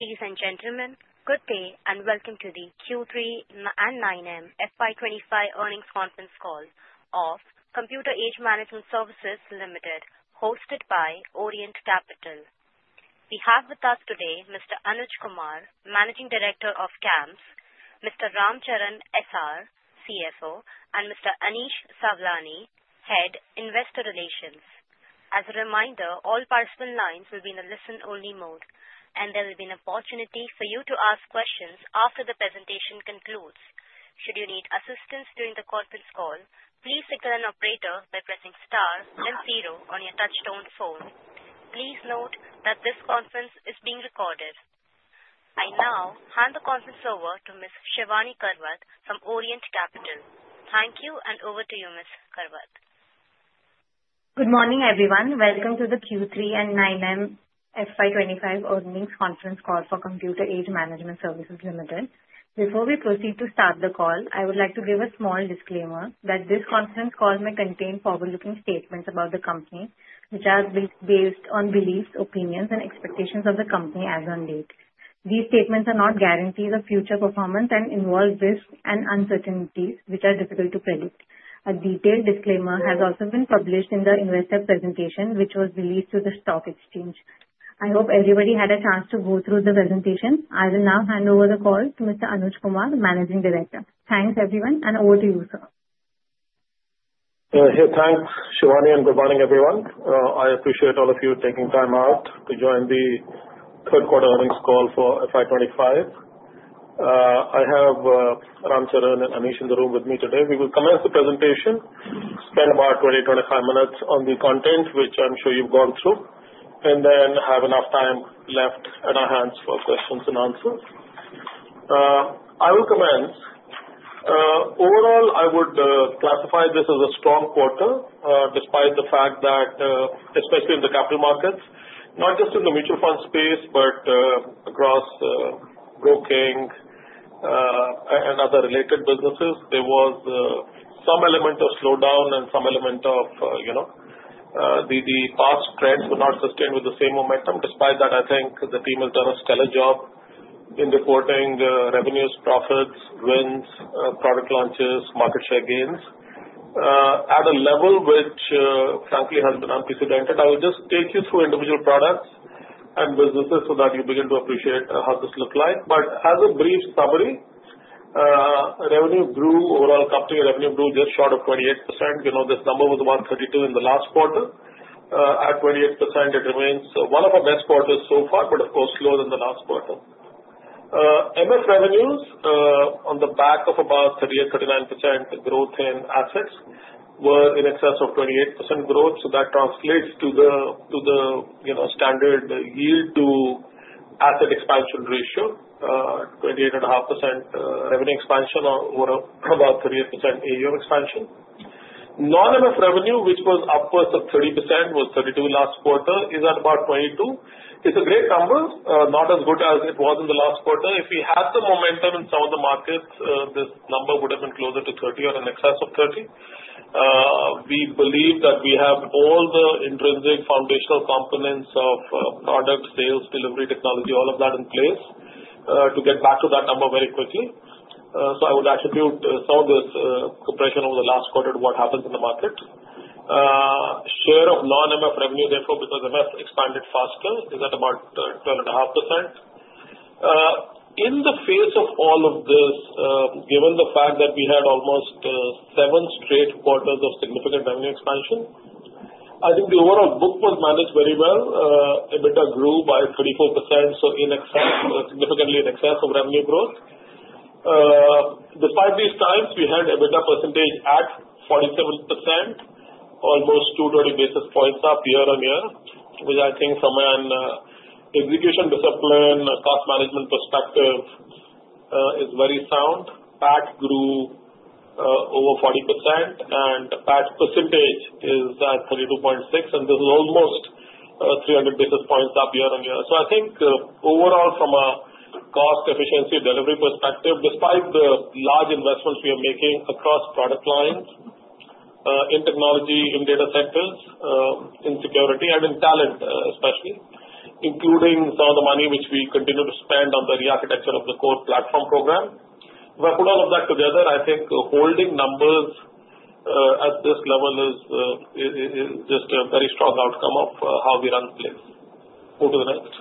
Ladies and gentlemen, good day and welcome to the Q3 and 9M FY25 earnings conference call of Computer Age Management Services Limited, hosted by Orient Capital. We have with us today Mr. Anuj Kumar, Managing Director of CAMS, Mr. Ramcharan S.R., CFO, and Mr. Anish Sawlani, Head, Investor Relations. As a reminder, all participant lines will be in a listen-only mode, and there will be an opportunity for you to ask questions after the presentation concludes. Should you need assistance during the conference call, please signal an operator by pressing star and zero on your touch-tone phone. Please note that this conference is being recorded. I now hand the conference over to Ms. Shivani Karwa from Orient Capital. Thank you, and over to you, Ms. Karwa. Good morning, everyone. Welcome to the Q3 and 9M FY25 earnings conference call for Computer Age Management Services Limited. Before we proceed to start the call, I would like to give a small disclaimer that this conference call may contain forward-looking statements about the company, which are based on beliefs, opinions, and expectations of the company as of late. These statements are not guarantees of future performance and involve risks and uncertainties, which are difficult to predict. A detailed disclaimer has also been published in the investor presentation, which was released to the stock exchange. I hope everybody had a chance to go through the presentation. I will now hand over the call to Mr. Anuj Kumar, Managing Director. Thanks, everyone, and over to you, sir. Hey, thanks, Shivani, and good morning, everyone. I appreciate all of you taking time out to join the third-quarter earnings call for FY25. I have Ramcharan and Anish in the room with me today. We will commence the presentation, spend about 20-25 minutes on the content, which I'm sure you've gone through, and then have enough time left in our hands for questions and answers. I will commence. Overall, I would classify this as a strong quarter, despite the fact that, especially in the capital markets, not just in the mutual fund space, but across broking and other related businesses, there was some element of slowdown and some element of the past trends were not sustained with the same momentum. Despite that, I think the team has done a stellar job in reporting revenues, profits, wins, product launches, market share gains at a level which, frankly, has been unprecedented. I will just take you through individual products and businesses so that you begin to appreciate how this looks like. But as a brief summary, revenue grew overall, company revenue grew just short of 28%. This number was about 32% in the last quarter. At 28%, it remains one of our best quarters so far, but of course, slower than the last quarter. MF revenues, on the back of about 38%-39% growth in assets, were in excess of 28% growth. So that translates to the standard yield-to-asset expansion ratio, 28.5% revenue expansion over about 38% AUM expansion. Non-MF revenue, which was upwards of 30%, was 32% last quarter, is at about 22%. It's a great number, not as good as it was in the last quarter. If we had the momentum in some of the markets, this number would have been closer to 30 or in excess of 30. We believe that we have all the intrinsic foundational components of product, sales, delivery, technology, all of that in place to get back to that number very quickly. So I would attribute some of this compression over the last quarter to what happens in the market. Share of non-MF revenue, therefore, because MF expanded faster, is at about 12.5%. In the face of all of this, given the fact that we had almost seven straight quarters of significant revenue expansion, I think the overall book was managed very well. EBITDA grew by 34%, so significantly in excess of revenue growth. Despite these times, we had EBITDA percentage at 47%, almost 220 basis points up year on year, which I think from an execution discipline and cost management perspective is very sound. PAT grew over 40%, and PAT percentage is at 32.6, and this is almost 300 basis points up year on year. So I think overall, from a cost-efficiency delivery perspective, despite the large investments we are making across product lines in technology, in data centers, in security, and in talent especially, including some of the money which we continue to spend on the re-architecture of the core platform program, if I put all of that together, I think holding numbers at this level is just a very strong outcome of how we run the place. Move to the next.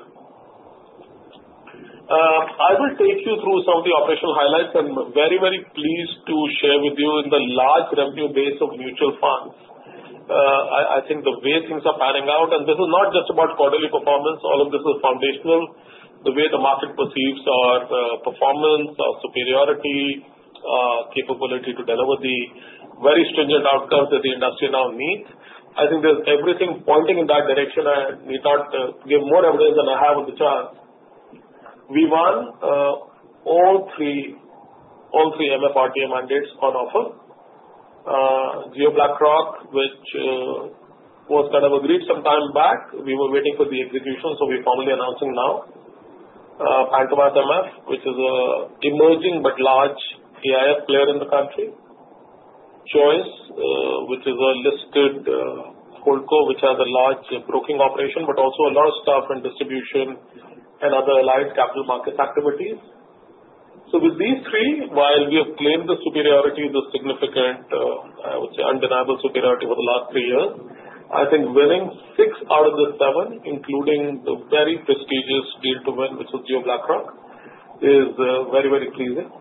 I will take you through some of the operational highlights, and I'm very, very pleased to share with you the large revenue base of mutual funds. I think the way things are panning out, and this is not just about quarterly performance. All of this is foundational. The way the market perceives our performance, our superiority, capability to deliver the very stringent outcomes that the industry now needs. I think there's everything pointing in that direction. I need not give more evidence than I have on the charts. We won all three MF RTA mandates on offer. Jio BlackRock, which was kind of agreed some time back, we were waiting for the execution, so we're formally announcing now. Pantomath MF, which is an emerging but large AIF player in the country. Choice, which is a listed holdco which has a large broking operation, but also a lot of stuff in distribution and other allied capital markets activities. So with these three, while we have claimed the superiority, the significant, I would say, undeniable superiority over the last three years, I think winning six out of the seven, including the very prestigious deal to win, which was Jio BlackRock, is very, very pleasing.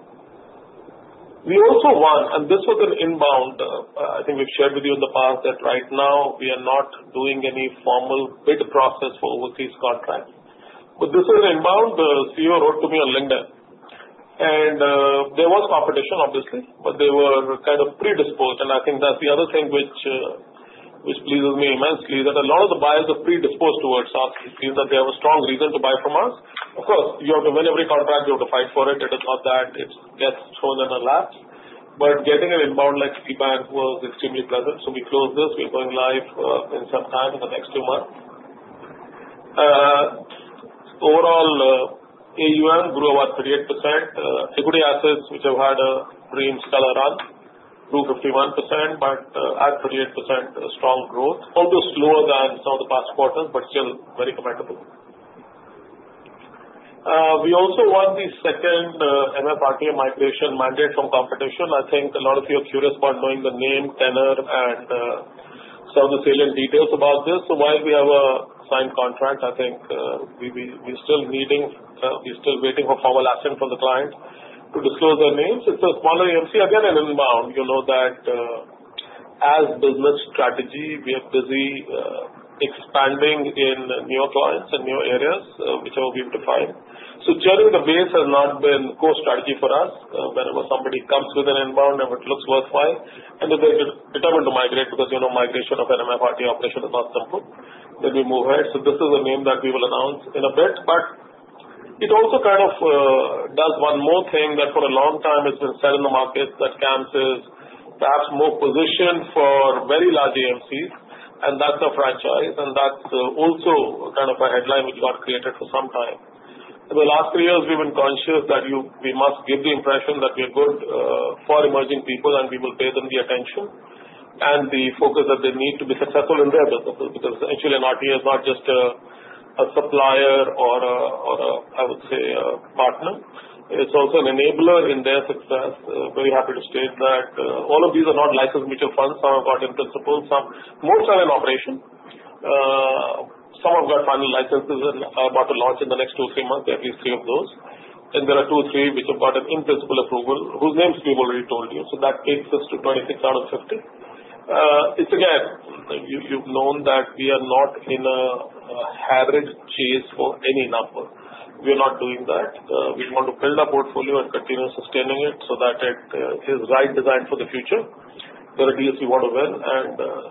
We also won, and this was an inbound. I think we've shared with you in the past that right now we are not doing any formal bid process for overseas contracts. But this was an inbound. The CEO wrote to me on LinkedIn, and there was competition, obviously, but they were kind of predisposed. I think that's the other thing which pleases me immensely, that a lot of the buyers are predisposed towards us, meaning that they have a strong reason to buy from us. Of course, you have to win every contract. You have to fight for it. It is not that it gets thrown in a lap, but getting an inbound-like feedback was extremely pleasant, so we closed this. We're going live in some time in the next few months. Overall, AUM grew about 38%. Equity assets, which have had a green stellar run, grew 51%, but at 38%, strong growth. Although slower than some of the past quarters, but still very compatible. We also won the second MF RTA migration mandate from competition. I think a lot of you are curious about knowing the name, tenor, and some of the salient details about this. So while we have a signed contract, I think we're still waiting for formal action from the client to disclose their names. It's a smaller AMC, again, an inbound. You know that as business strategy, we are busy expanding in newer clients and newer areas, whichever we have defined. So generally, the chase has not been core strategy for us. Whenever somebody comes with an inbound and it looks worthwhile, and if they're determined to migrate because migration of an MF RTA operation is not simple, then we move ahead. So this is a name that we will announce in a bit. But it also kind of does one more thing that for a long time has been said in the market that CAMS is perhaps more positioned for very large AMCs, and that's a franchise. And that's also kind of a headline which got created for some time. In the last three years, we've been conscious that we must give the impression that we are good for emerging people, and we will pay them the attention and the focus that they need to be successful in their businesses because actually an RTA is not just a supplier or a, I would say, partner. It's also an enabler in their success. Very happy to state that all of these are not licensed mutual funds. Some have got in-principle, some most are in operation. Some have got final licenses and are about to launch in the next two, three months, at least three of those. And there are two, three which have gotten in-principle approval, whose names we've already told you. So that takes us to 26 out of 50. It's again, you've known that we are not in a harried chase for any number. We are not doing that. We want to build our portfolio and continue sustaining it so that it is right designed for the future. There are deals we want to win, and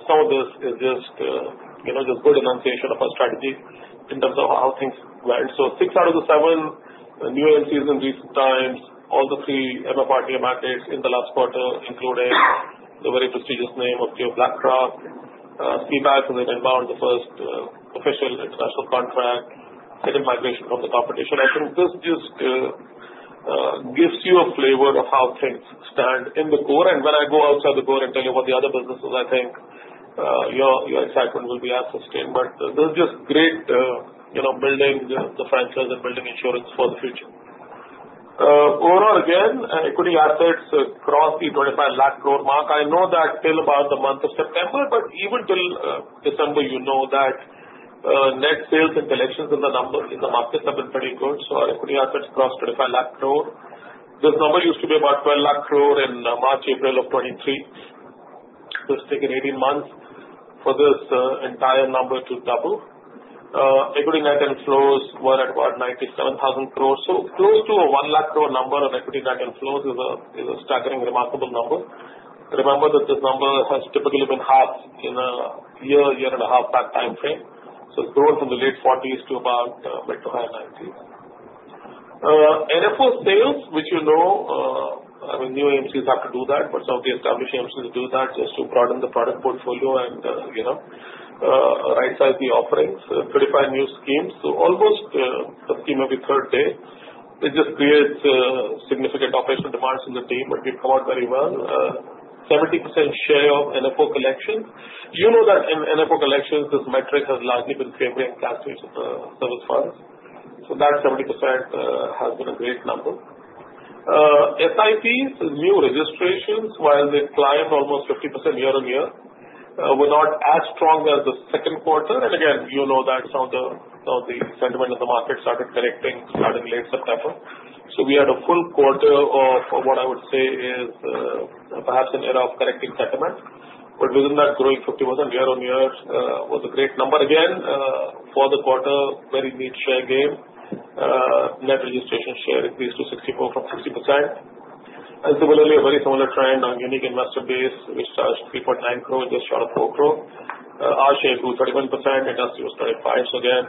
some of this is just good enunciation of our strategy in terms of how things went. So six out of the seven new AMCs in recent times, all the three MF RTA mandates in the last quarter, including the very prestigious name of Jio BlackRock, Citibank as an inbound, the first official international contract, second migration from the competition. I think this just gives you a flavor of how things stand in the core. And when I go outside the core and tell you about the other businesses, I think your excitement will be as sustained. But this is just great building the franchise and building insurance for the future. Overall, again, equity assets cross the 25 lakh crore mark. I know that till about the month of September, but even till December, you know that net sales and collections in the markets have been pretty good. So our equity assets cross 25 lakh crore. This number used to be about 12 lakh crore in March, April of 2023. So it's taken 18 months for this entire number to double. Equity net inflows were at about 97,000 crore. So close to a 1 lakh crore number of equity net inflows is a staggering, remarkable number. Remember that this number has typically been halved in a year, year and a half back timeframe. So it's grown from the late 40s to about mid to high 90s. NFO sales, which you know, I mean, new AMCs have to do that, but some of the established AMCs do that just to broaden the product portfolio and right-size the offerings, 35 new schemes. So almost a scheme every third day. It just creates significant operational demands in the team, but we've come out very well. 70% share of NFO collections. You know that in NFO collections, this metric has largely been favoring cash-based service funds. So that 70% has been a great number. SIPs, new registrations, while the client, almost 50% year on year, were not as strong as the second quarter. Again, you know that some of the sentiment in the market started correcting starting late September. So we had a full quarter of what I would say is perhaps an era of correcting sentiment. But within that, growing 50% year on year was a great number. Again, for the quarter, very neat share gain. Net registration share increased to 64% from 60%. And similarly, a very similar trend on unique investor base, which stands 3.9 crore, just short of 4 crore. Our share grew 31%. Industry was 25%. So again,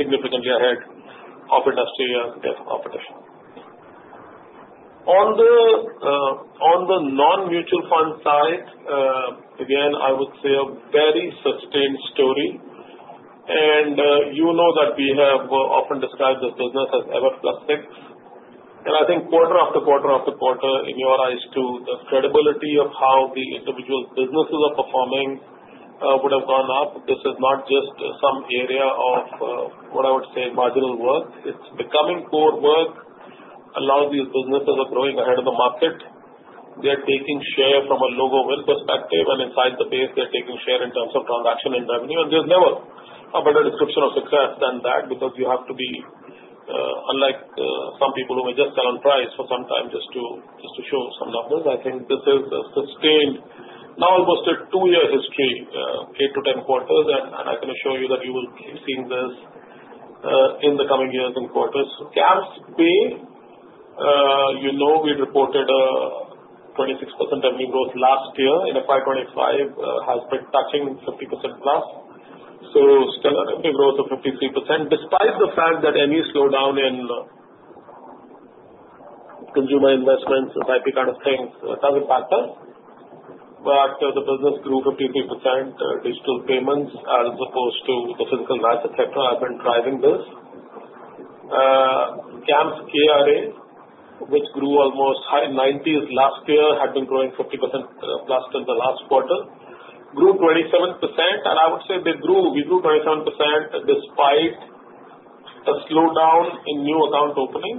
significantly ahead of industry and ahead of competition. On the non-mutual fund side, again, I would say a very sustained story. And you know that we have often described this business as MF-plus-six. And I think quarter after quarter after quarter, in your eyes, too, the credibility of how the individual businesses are performing would have gone up. This is not just some area of, what I would say, marginal work. It's becoming core work. A lot of these businesses are growing ahead of the market. They're taking share from a lower base perspective, and inside the base, they're taking share in terms of transaction and revenue. There's never a better description of success than that because you have to be unlike some people who may just sell on price for some time just to show some numbers. I think this is a sustained, now almost a two-year history, 8-10 quarters. I can assure you that you will keep seeing this in the coming years and quarters. CAMS Pay, you know we reported a 26% revenue growth last year. In FY25, has been touching 50% plus. So still a revenue growth of 53%, despite the fact that any slowdown in consumer investments, SIP kind of things, doesn't back us. But the business grew 53%. Digital payments, as opposed to the physical life, etc., have been driving this. CAMS KRA, which grew almost high 90s last year, had been growing 50% plus in the last quarter, grew 27%. I would say they grew. We grew 27% despite a slowdown in new account opening.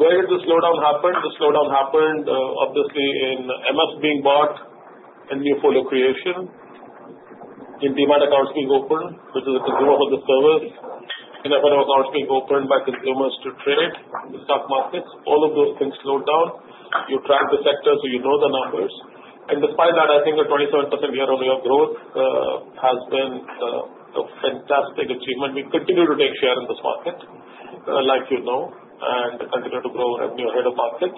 Where did the slowdown happen? The slowdown happened, obviously, in MF being bought and new folio creation. In Demat accounts being opened, which is a consumer-focused service. In F&O accounts being opened by consumers to trade in the stock markets. All of those things slowed down. You track the sector, so you know the numbers. And despite that, I think a 27% year-on-year growth has been a fantastic achievement. We continue to take share in this market, like you know, and continue to grow revenue ahead of market.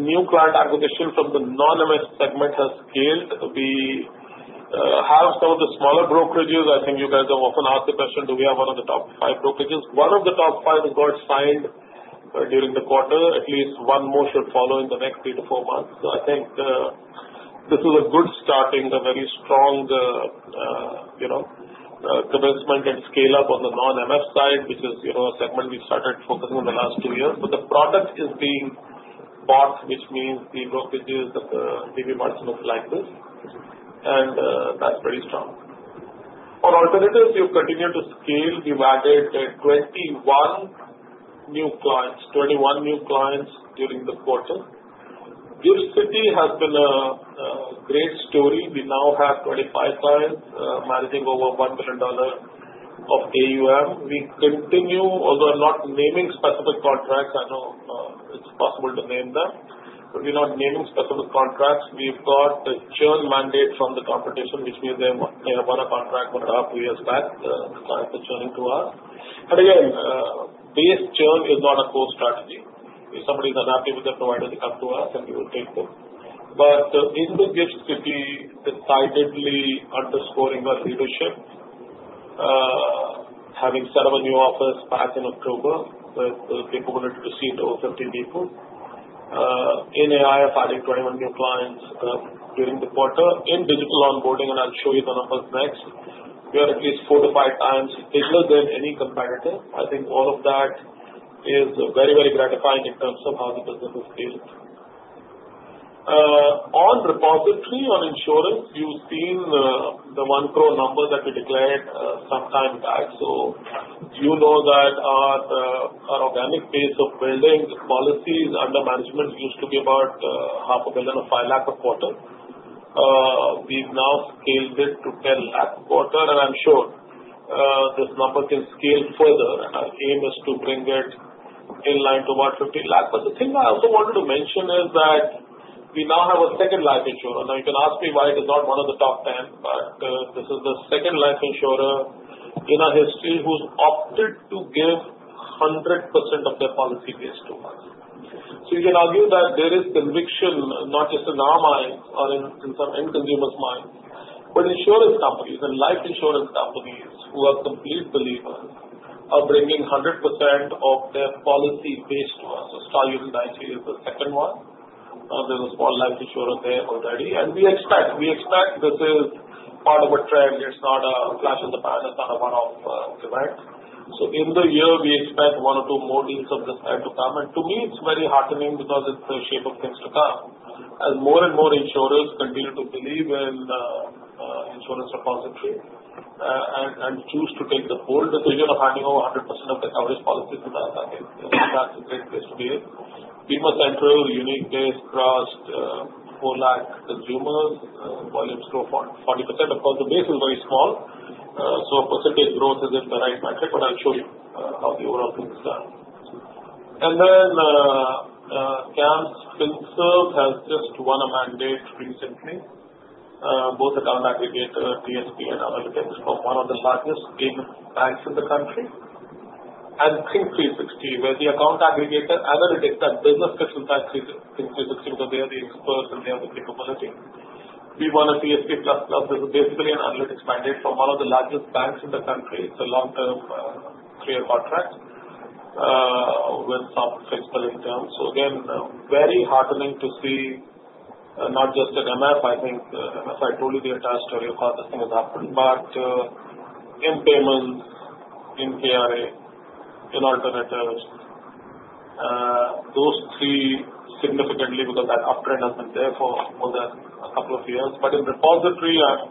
New client acquisition from the non-MF segment has scaled. We have some of the smaller brokerages. I think you guys have often asked the question, do we have one of the top five brokerages? One of the top five is what signed during the quarter. At least one more should follow in the next three to four months. So I think this is a good starting, a very strong commencement and scale-up on the non-MF side, which is a segment we started focusing on the last two years. But the product is being bought, which means the brokerages that we want to look like this. And that's very strong. For alternatives, we've continued to scale. We've added 21 new clients, 21 new clients during the quarter. GIFT City has been a great story. We now have 25 clients managing over $1 million of AUM. We continue, although I'm not naming specific contracts. I know it's possible to name them. But we're not naming specific contracts. We've got a churn mandate from the competition, which means they have won a contract one and a half, two years back. The clients are churning to us. But again, base churn is not a core strategy. If somebody's unhappy with their provider, they come to us, and we will take them. But GIFT City is decidedly underscoring our leadership, having set up a new office back in October with the capability to seat over 50 people. In AI, adding 21 new clients during the quarter. In digital onboarding, and I'll show you the numbers next, we are at least four to five times bigger than any competitor. I think all of that is very, very gratifying in terms of how the business has scaled. On repository, on insurance, you've seen the 1 crore number that we declared sometime back. So you know that our organic base of building policies under management used to be about 500,000 or 5 lakh a quarter. We've now scaled it to 10 lakh a quarter. I'm sure this number can scale further. Our aim is to bring it in line to about 50 lakh. But the thing I also wanted to mention is that we now have a second life insurer. Now, you can ask me why it is not one of the top 10, but this is the second life insurer in our history who's opted to give 100% of their policy base to us. So you can argue that there is conviction, not just in our minds or in some end consumers' minds, but insurance companies and life insurance companies who are complete believers are bringing 100% of their policy base to us. So Star Union is the second one. There's a small life insurer there already. And we expect this is part of a trend. It's not a flash in the pan. It's not a one-off event. In the year, we expect one or two more deals of this kind to come. To me, it's very heartening because it's the shape of things to come. As more and more insurers continue to believe in insurance repository and choose to take the bold decision of handing over 100% of their coverage policies to us, I think that's a great place to be in. Bima Central user base crossed 4 lakh consumers. Volumes grow 40%. Of course, the base is very small. Percentage growth is the right metric, but I'll show you how the overall things turn. And then CAMS Finserv has just won a mandate recently, both account aggregator, TSP, and analytics from one of the largest payment banks in the country, and Think360, where the account aggregator analytics and business intelligence and analytics Think360, because they are the experts and they have the capability. We won a TSP plus-plus. This is basically an analytics mandate from one of the largest banks in the country. It's a long-term three-year contract with some fixed billing terms. So again, very heartening to see not just an MF. I think MF, I told you the entire story of how this thing has happened, but in payments, in KRA, in alternatives, those three significantly because that uptrend has been there for more than a couple of years. But in repository, I'm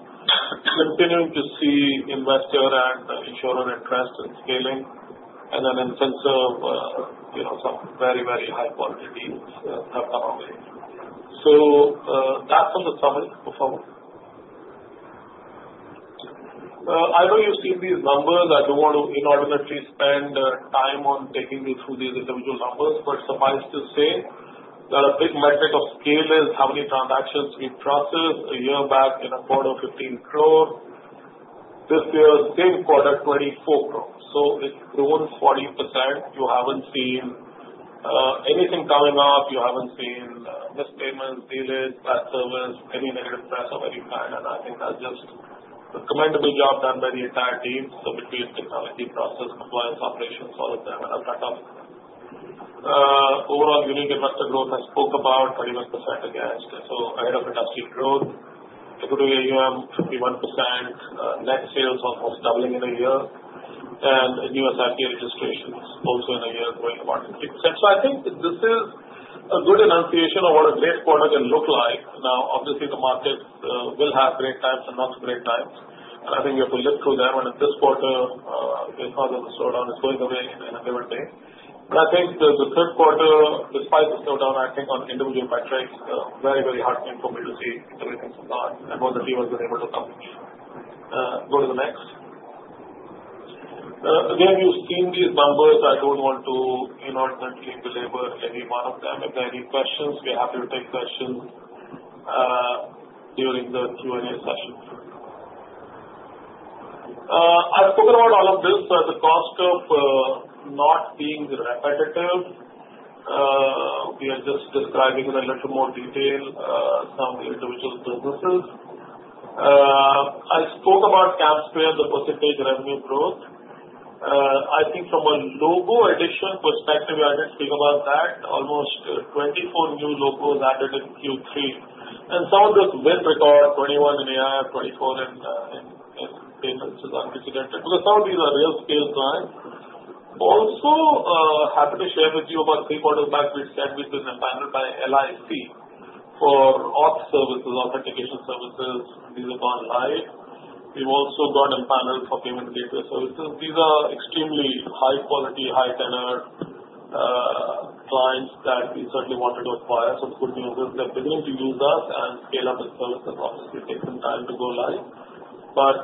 continuing to see investor and insurer interest in scaling. Then in FinServ, some very, very high-quality deals have come our way. So that's on the summary so far. I know you've seen these numbers. I don't want to inordinately spend time on taking you through these individual numbers, but suffice to say that a big metric of scale is how many transactions we process. A year back, in a quarter, 15 crore. This year, same quarter, 24 crore. So it's grown 40%. You haven't seen anything coming up. You haven't seen mispayments, delays, bad service, any negative press of any kind. And I think that's just a commendable job done by the entire team. So between technology, process, compliance, operations, all of them, and I've got to overall unique investor growth, I spoke about 31% against. So ahead of industry growth, equity AUM 51%, net sales almost doubling in a year, and new SIP registrations also in a year growing about 50%. So I think this is a good enunciation of what a great quarter can look like. Now, obviously, the market will have great times and not so great times. And I think we have to live through them. And in this quarter, because of the slowdown, it's going away in a given day. But I think the third quarter, despite the slowdown, I think on individual metrics, very, very heartening for me to see everything so far. And all the team has been able to accomplish. Go to the next. Again, you've seen these numbers. I don't want to inordinately belabor any one of them. If there are any questions, we're happy to take questions during the Q&A session. I've spoken about all of this. The cost of not being repetitive. We are just describing in a little more detail some of the individual businesses. I spoke about CAMS phere, the percentage revenue growth. I think from a logo addition perspective, we had to speak about that. Almost 24 new logos added in Q3, and some of this winning record, 21 in AIF, 24 in payments, is unprecedented because some of these are large-scale clients. Also, happy to share with you about three quarters back, we've said we've been empowered by LIC for auth services, authentication services. These are gone live. We've also got empowered for payment gateway services. These are extremely high-quality, high-tenor clients that we certainly wanted to acquire, so the good news is they're beginning to use us and scale up the services. Obviously, it takes some time to go live, but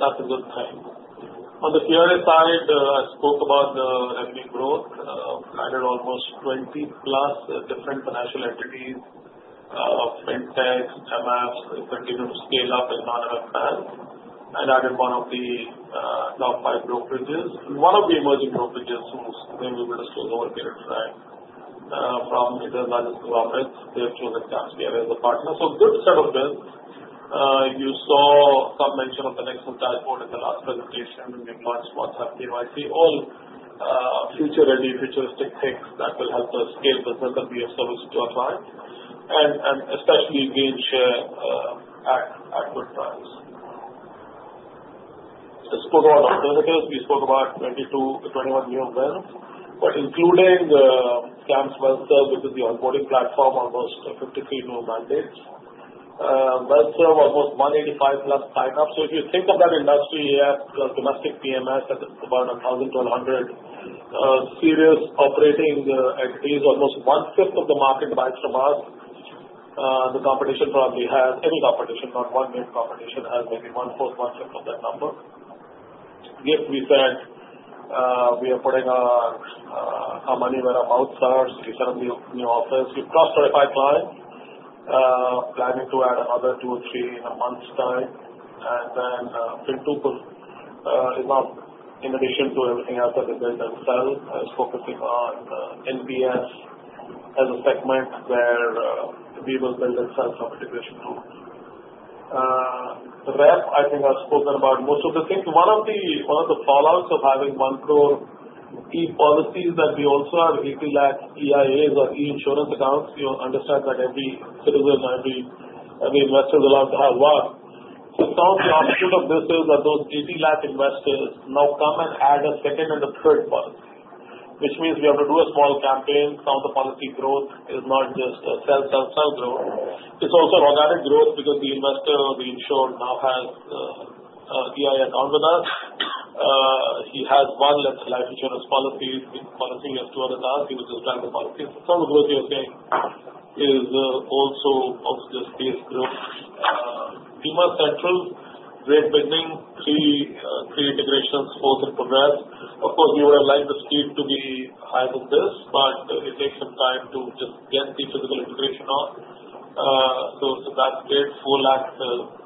that's a good thing. On the KRA side, I spoke about the revenue growth. We added almost 20 plus different financial entities, fintechs, MFs. They continue to scale up in non-MF plan. I added one of the top five brokerages. One of the emerging brokerages whose name we will discuss over a period of time from the largest of our midst, they've chosen CAMS KRA as a partner. So good set of bids. You saw some mention of the Nexus dashboard in the last presentation. We've launched WhatsApp KYC, all future-ready, futuristic things that will help us scale business and be a service to our clients, and especially gain share at good price. I spoke about alternatives. We spoke about 21 new wins, but including CAMS WealthServ because the onboarding platform, almost 53 new mandates. WealthServ, almost 185 plus sign-ups. So if you think of that industry, AIF plus domestic PMS, that is about 1,200 serious operating entities, almost one-fifth of the market buys from us. The competition probably has any competition, not one name competition, has maybe one-fourth, one-fifth of that number. GIFT City, we said we are putting our money where our mouth is. We set up new office. We have cross-verified clients, planning to add another two or three in a month's time. And then Fintuple, in addition to everything else that they build themselves, is focusing on NPS as a segment where we will build ourselves some integration tools. Repo, I think I have spoken about most of the things. One of the fallouts of having 1 crore e-policies is that we also have 80 lakh EIAs or e-insurance accounts. You understand that every citizen, every investor is allowed to have one. So some of the output of this is that those 80 lakh investors now come and add a second and a third policy, which means we have to do a small campaign. Some of the policy growth is not just sell, sell, sell growth. It's also organic growth because the investor or the insured now has an eIA account with us. He has one life insurance policy. He has two others ask. He will just drag the policy. Some of the growth we are seeing is also just base growth. Bima Central, great beginning. Three integrations, fourth in progress. Of course, we would have liked the speed to be higher than this, but it takes some time to just get the physical integration on. So that's great. 4 lakh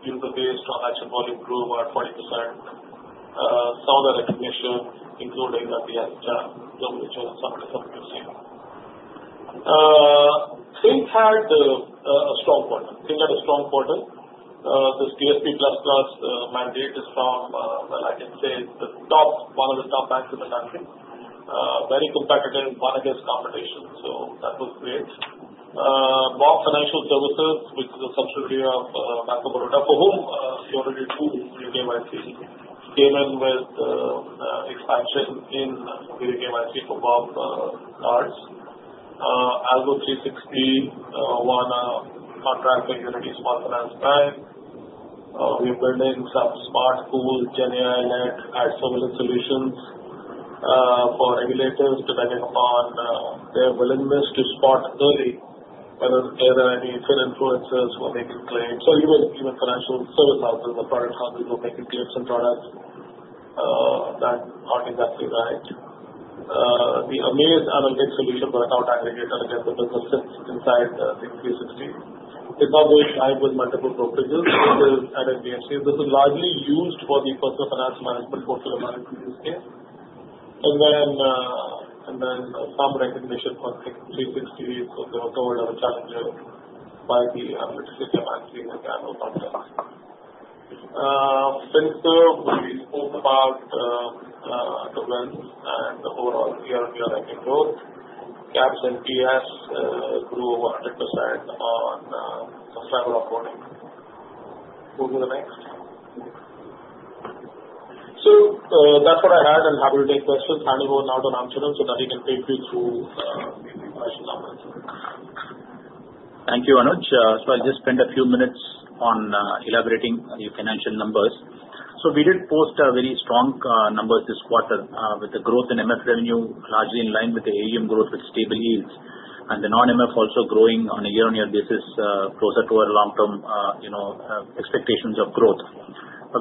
user-based transaction volume grew by 40%. Some of the recognition, including at the SHR, some of the stuff we've seen. Think360 had a strong quarter. This TSP plus-plus mandate is from, well, I can say it's one of the top banks in the country. Very competitive, one against competition. So that was great. BOB Financial Solutions, which is a subsidiary of Bank of Baroda, for whom we already knew through KYC, came in with expansion in KYC for BOB cards. Algo360 won a contract with Unity Small Finance Bank. We're building some smart tools, GenAI-led, as-a-service solutions for regulators to depend upon their willingness to spot early whether there are any finfluencers who are making claims. So even financial service houses or product houses who are making claims and products, that's not exactly right. The Amaze analytics solution for account aggregator against the business inside Think360. It's now going live with multiple brokerages. This is added D2C. This is largely used for the personal finance management portfolio management use case. Some traction for Think360. They also were challenged by the analytics system management and the annual contracts. Finserv, we spoke about the wins and the overall year-on-year revenue growth. CAMS NPS grew over 100% on subscriber onboarding. Go to the next. That's what I had, and happy to take questions. Anuj, over now to Anuj so that he can take you through the financial numbers. Thank you, Anuj. So I just spent a few minutes on elaborating your financial numbers. So we did post very strong numbers this quarter with the growth in MF revenue, largely in line with the AUM growth with stable yields. And the non-MF also growing on a year-on-year basis, closer to our long-term expectations of growth.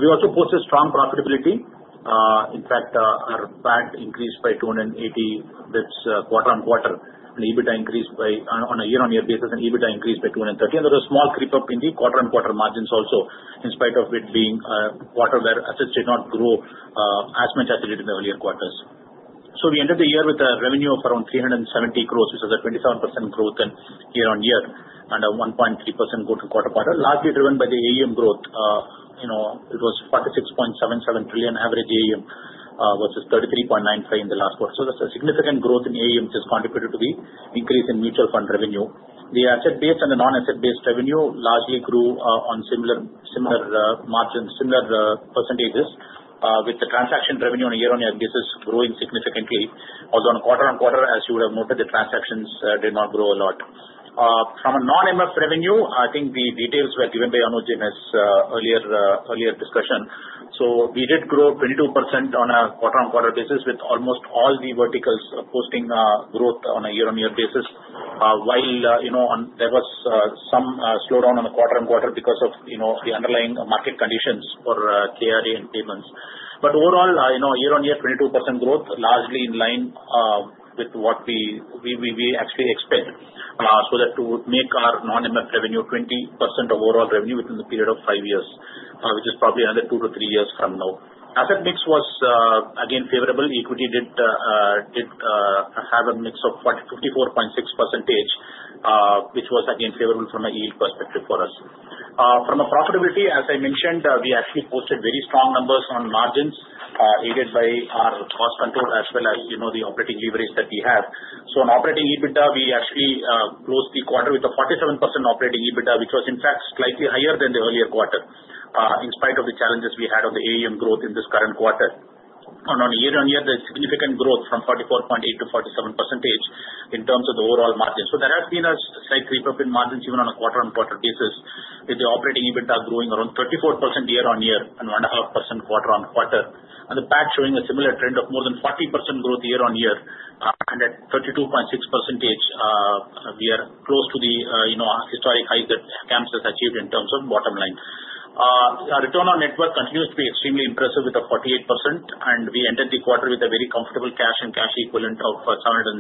We also posted strong profitability. In fact, our PAT increased by 280 basis points quarter on quarter, and EBITDA increased on a year-on-year basis, and EBITDA increased by 230. And there was a small creep up in the quarter-on-quarter margins also, in spite of it being a quarter where assets did not grow as much as it did in the earlier quarters. So we ended the year with a revenue of around 370 crores, which is a 27% growth in year-on-year and a 1.3% growth in quarter-to-quarter, largely driven by the AUM growth. It was 46.77 trillion average AUM versus 33.95 trillion in the last quarter. So that's a significant growth in AUM, which has contributed to the increase in mutual fund revenue. The asset-based and the non-asset-based revenue largely grew on similar margins, similar percentages, with the transaction revenue on a year-on-year basis growing significantly. Also, on quarter-on-quarter, as you would have noted, the transactions did not grow a lot. From a non-MF revenue, I think the details were given by Anuj in his earlier discussion. So we did grow 22% on a quarter-on-quarter basis, with almost all the verticals posting growth on a year-on-year basis, while there was some slowdown on the quarter-on-quarter because of the underlying market conditions for KRA and payments. Overall, year-on-year, 22% growth, largely in line with what we actually expect so that to make our non-MF revenue 20% of overall revenue within the period of five years, which is probably another two to three years from now. Asset mix was, again, favorable. Equity did have a mix of 54.6%, which was, again, favorable from a yield perspective for us. From a profitability, as I mentioned, we actually posted very strong numbers on margins aided by our cost control as well as the operating leverage that we have. So on operating EBITDA, we actually closed the quarter with a 47% operating EBITDA, which was, in fact, slightly higher than the earlier quarter, in spite of the challenges we had on the AUM growth in this current quarter. On a year-on-year, there's significant growth from 44.8% to 47% in terms of the overall margins. There has been a slight creep up in margins even on a quarter-on-quarter basis, with the operating EBITDA growing around 24% year-on-year and 1.5% quarter-on-quarter. The PAT showing a similar trend of more than 40% growth year-on-year, and at 32.6%, we are close to the historic high that CAMS has achieved in terms of bottom line. Our return on net worth continues to be extremely impressive with a 48%, and we ended the quarter with a very comfortable cash and cash equivalents of 770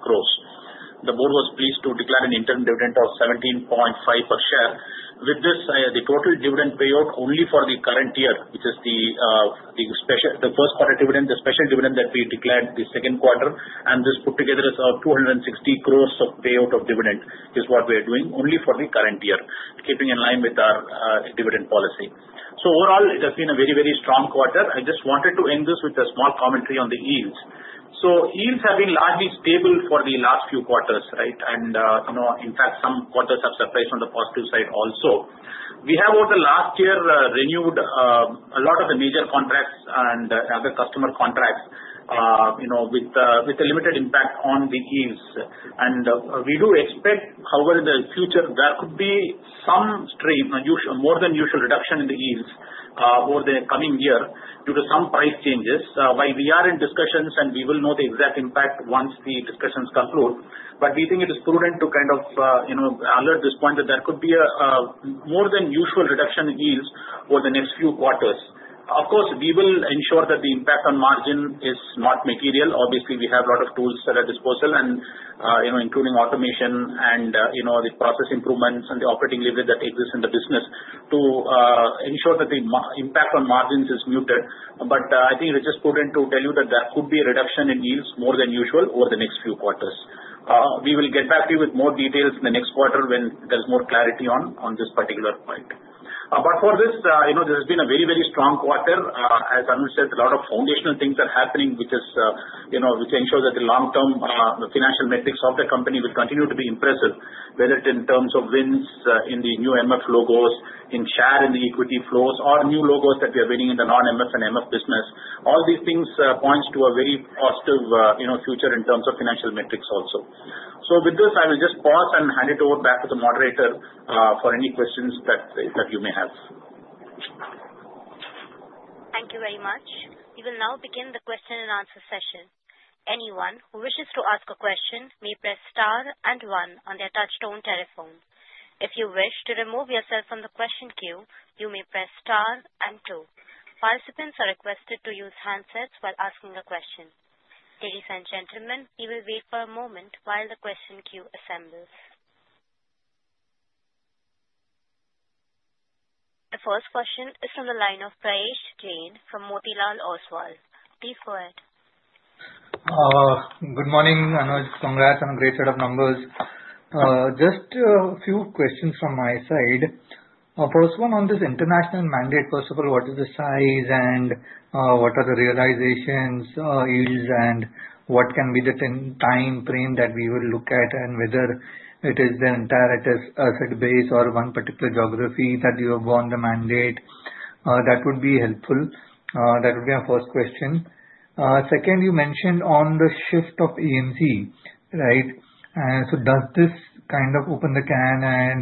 crores. The board was pleased to declare an interim dividend of 17.5 per share. With this, the total dividend payout only for the current year, which is the first quarter dividend, the special dividend that we declared the second quarter, and this put together is 260 crores of payout of dividend is what we are doing only for the current year, keeping in line with our dividend policy. So overall, it has been a very, very strong quarter. I just wanted to end this with a small commentary on the yields. So yields have been largely stable for the last few quarters, right? And in fact, some quarters have surprised on the positive side also. We have, over the last year, renewed a lot of the major contracts and other customer contracts with a limited impact on the yields. And we do expect, however, in the future, there could be some more-than-usual reduction in the yields over the coming year due to some price changes, while we are in discussions, and we will know the exact impact once the discussions conclude. But we think it is prudent to kind of alert this point that there could be a more-than-usual reduction in yields over the next few quarters. Of course, we will ensure that the impact on margin is not material. Obviously, we have a lot of tools at our disposal, including automation and the process improvements and the operating leverage that exists in the business to ensure that the impact on margins is muted. But I think it is just prudent to tell you that there could be a reduction in yields more than usual over the next few quarters. We will get back to you with more details in the next quarter when there's more clarity on this particular point. But for this, this has been a very, very strong quarter. As Anuj said, a lot of foundational things are happening, which ensures that the long-term financial metrics of the company will continue to be impressive, whether it's in terms of wins in the new MF logos, in share in the equity flows, or new logos that we are winning in the non-MF and MF business. All these things point to a very positive future in terms of financial metrics also. So with this, I will just pause and hand it over back to the moderator for any questions that you may have. Thank you very much. We will now begin the question and answer session. Anyone who wishes to ask a question may press star and one on their touch-tone telephone. If you wish to remove yourself from the question queue, you may press star and two. Participants are requested to use handsets while asking a question. Ladies and gentlemen, we will wait for a moment while the question queue assembles. The first question is from the line of Prayesh Jain from Motilal Oswal. Please go ahead. Good morning, Anuj. Congrats on a great set of numbers. Just a few questions from my side. First one on this international mandate, first of all, what is the size and what are the realizations, yields, and what can be the time frame that we will look at, and whether it is the entire asset base or one particular geography that you have on the mandate? That would be helpful. That would be my first question. Second, you mentioned on the shift of AMC, right? So does this kind of open the can and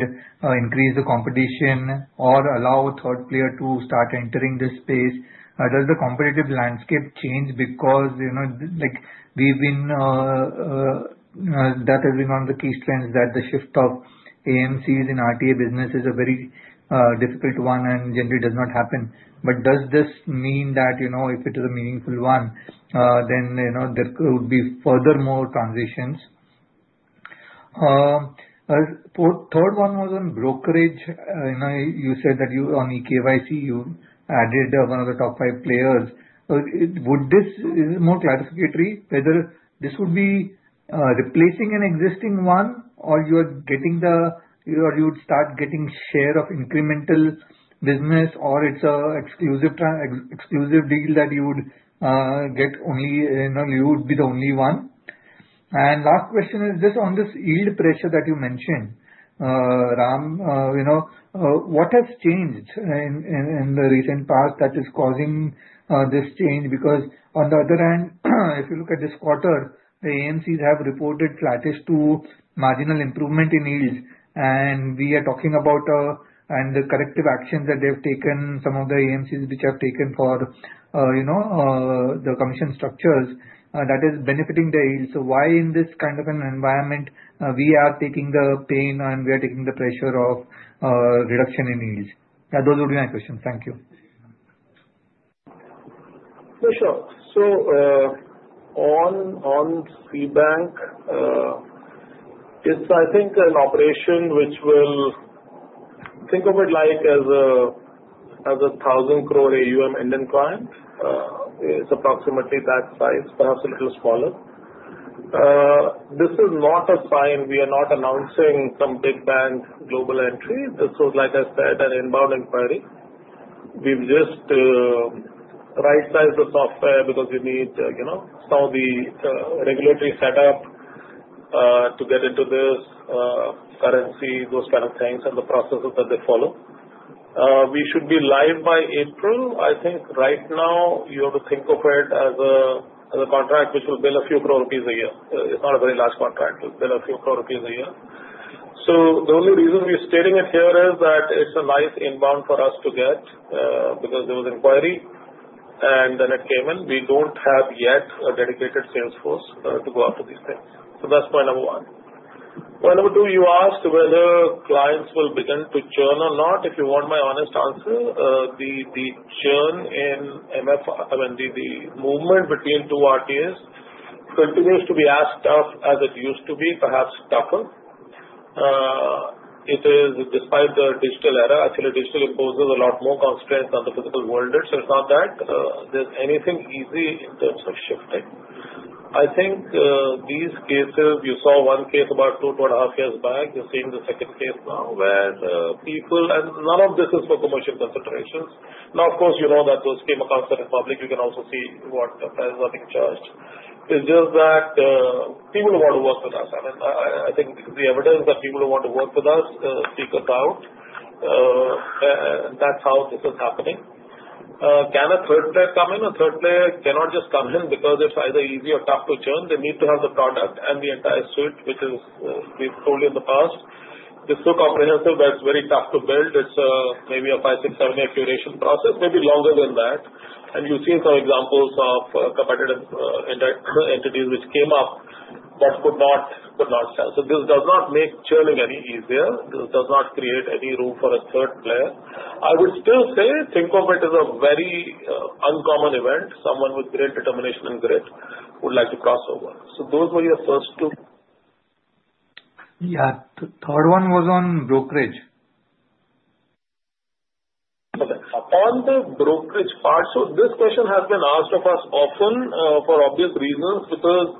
increase the competition or allow a third player to start entering this space? Does the competitive landscape change because we've seen that has been one of the key strengths that the shift of AMCs in RTA business is a very difficult one and generally does not happen. But does this mean that if it is a meaningful one, then there could be furthermore transitions? Third one was on brokerage. You said that on EKYC, you added one of the top five players. Would this be more clarificatory? Whether this would be replacing an existing one or you would start getting share of incremental business, or it's an exclusive deal that you would get only you would be the only one? And last question is just on this yield pressure that you mentioned, Ram, what has changed in the recent past that is causing this change? Because on the other hand, if you look at this quarter, the AMCs have reported flattish to marginal improvement in yields. And we are talking about the corrective actions that they've taken, some of the AMCs which have taken for the commission structures that is benefiting the yields. So why in this kind of an environment we are taking the pain and we are taking the pressure of reduction in yields? Those would be my questions. Thank you. Sure. So on CitiBank, it's, I think, an operation which will think of it like as a 1,000 crore AUM end-to-end client. It's approximately that size, perhaps a little smaller. This is not a sign we are not announcing some big bank global entry. This was, like I said, an inbound inquiry. We've just right-sized the software because we need some of the regulatory setup to get into this, currency, those kind of things, and the processes that they follow. We should be live by April. I think right now you have to think of it as a contract which will bill a few crore INR a year. It's not a very large contract. It will bill a few crore INR a year. So the only reason we're stating it here is that it's a nice inbound for us to get because there was an inquiry, and then it came in. We don't have yet a dedicated salesforce to go after these things. So that's point number one. Point number two, you asked whether clients will begin to churn or not. If you want my honest answer, the churn in MF, I mean, the movement between two RTAs continues to be as tough as it used to be, perhaps tougher. It is, despite the digital era, actually, digital imposes a lot more constraints on the physical world. So it's not that there's anything easy in terms of shifting. I think these cases, you saw one case about two, two and a half years back. You're seeing the second case now where people, and none of this is for commercial considerations. Now, of course, you know that those came across to the public. You can also see what the price has been charged. It's just that people who want to work with us. I mean, I think the evidence that people who want to work with us seek us out. That's how this is happening. Can a third player come in? A third player cannot just come in because it's either easy or tough to churn. They need to have the product and the entire suite, which we've told you in the past. It's so comprehensive that it's very tough to build. It's maybe a five, six, seven-year curation process, maybe longer than that. And you've seen some examples of competitive entities which came up but could not sell. So this does not make churning any easier. This does not create any room for a third player. I would still say think of it as a very uncommon event. Someone with great determination and grit would like to cross over. So those were your first two. Yeah. The third one was on brokerage. Okay. On the brokerage part, so this question has been asked of us often for obvious reasons because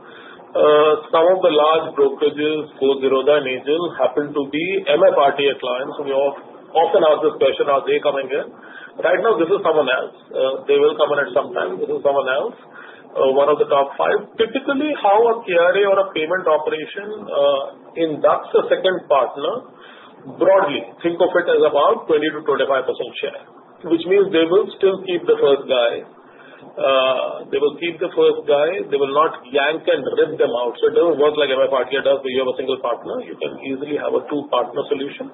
some of the large brokerages, Groww, Zerodha, then Angel, happen to be MF RTA clients. So we often ask this question, "Are they coming in?" Right now, this is someone else. They will come in at some time. This is someone else, one of the top five. Typically, how a KRA or a payment operation inducts a second partner broadly, think of it as about 20%-25% share, which means they will still keep the first guy. They will keep the first guy. They will not yank and rip them out. So it doesn't work like MF RTA does where you have a single partner. You can easily have a two-partner solution.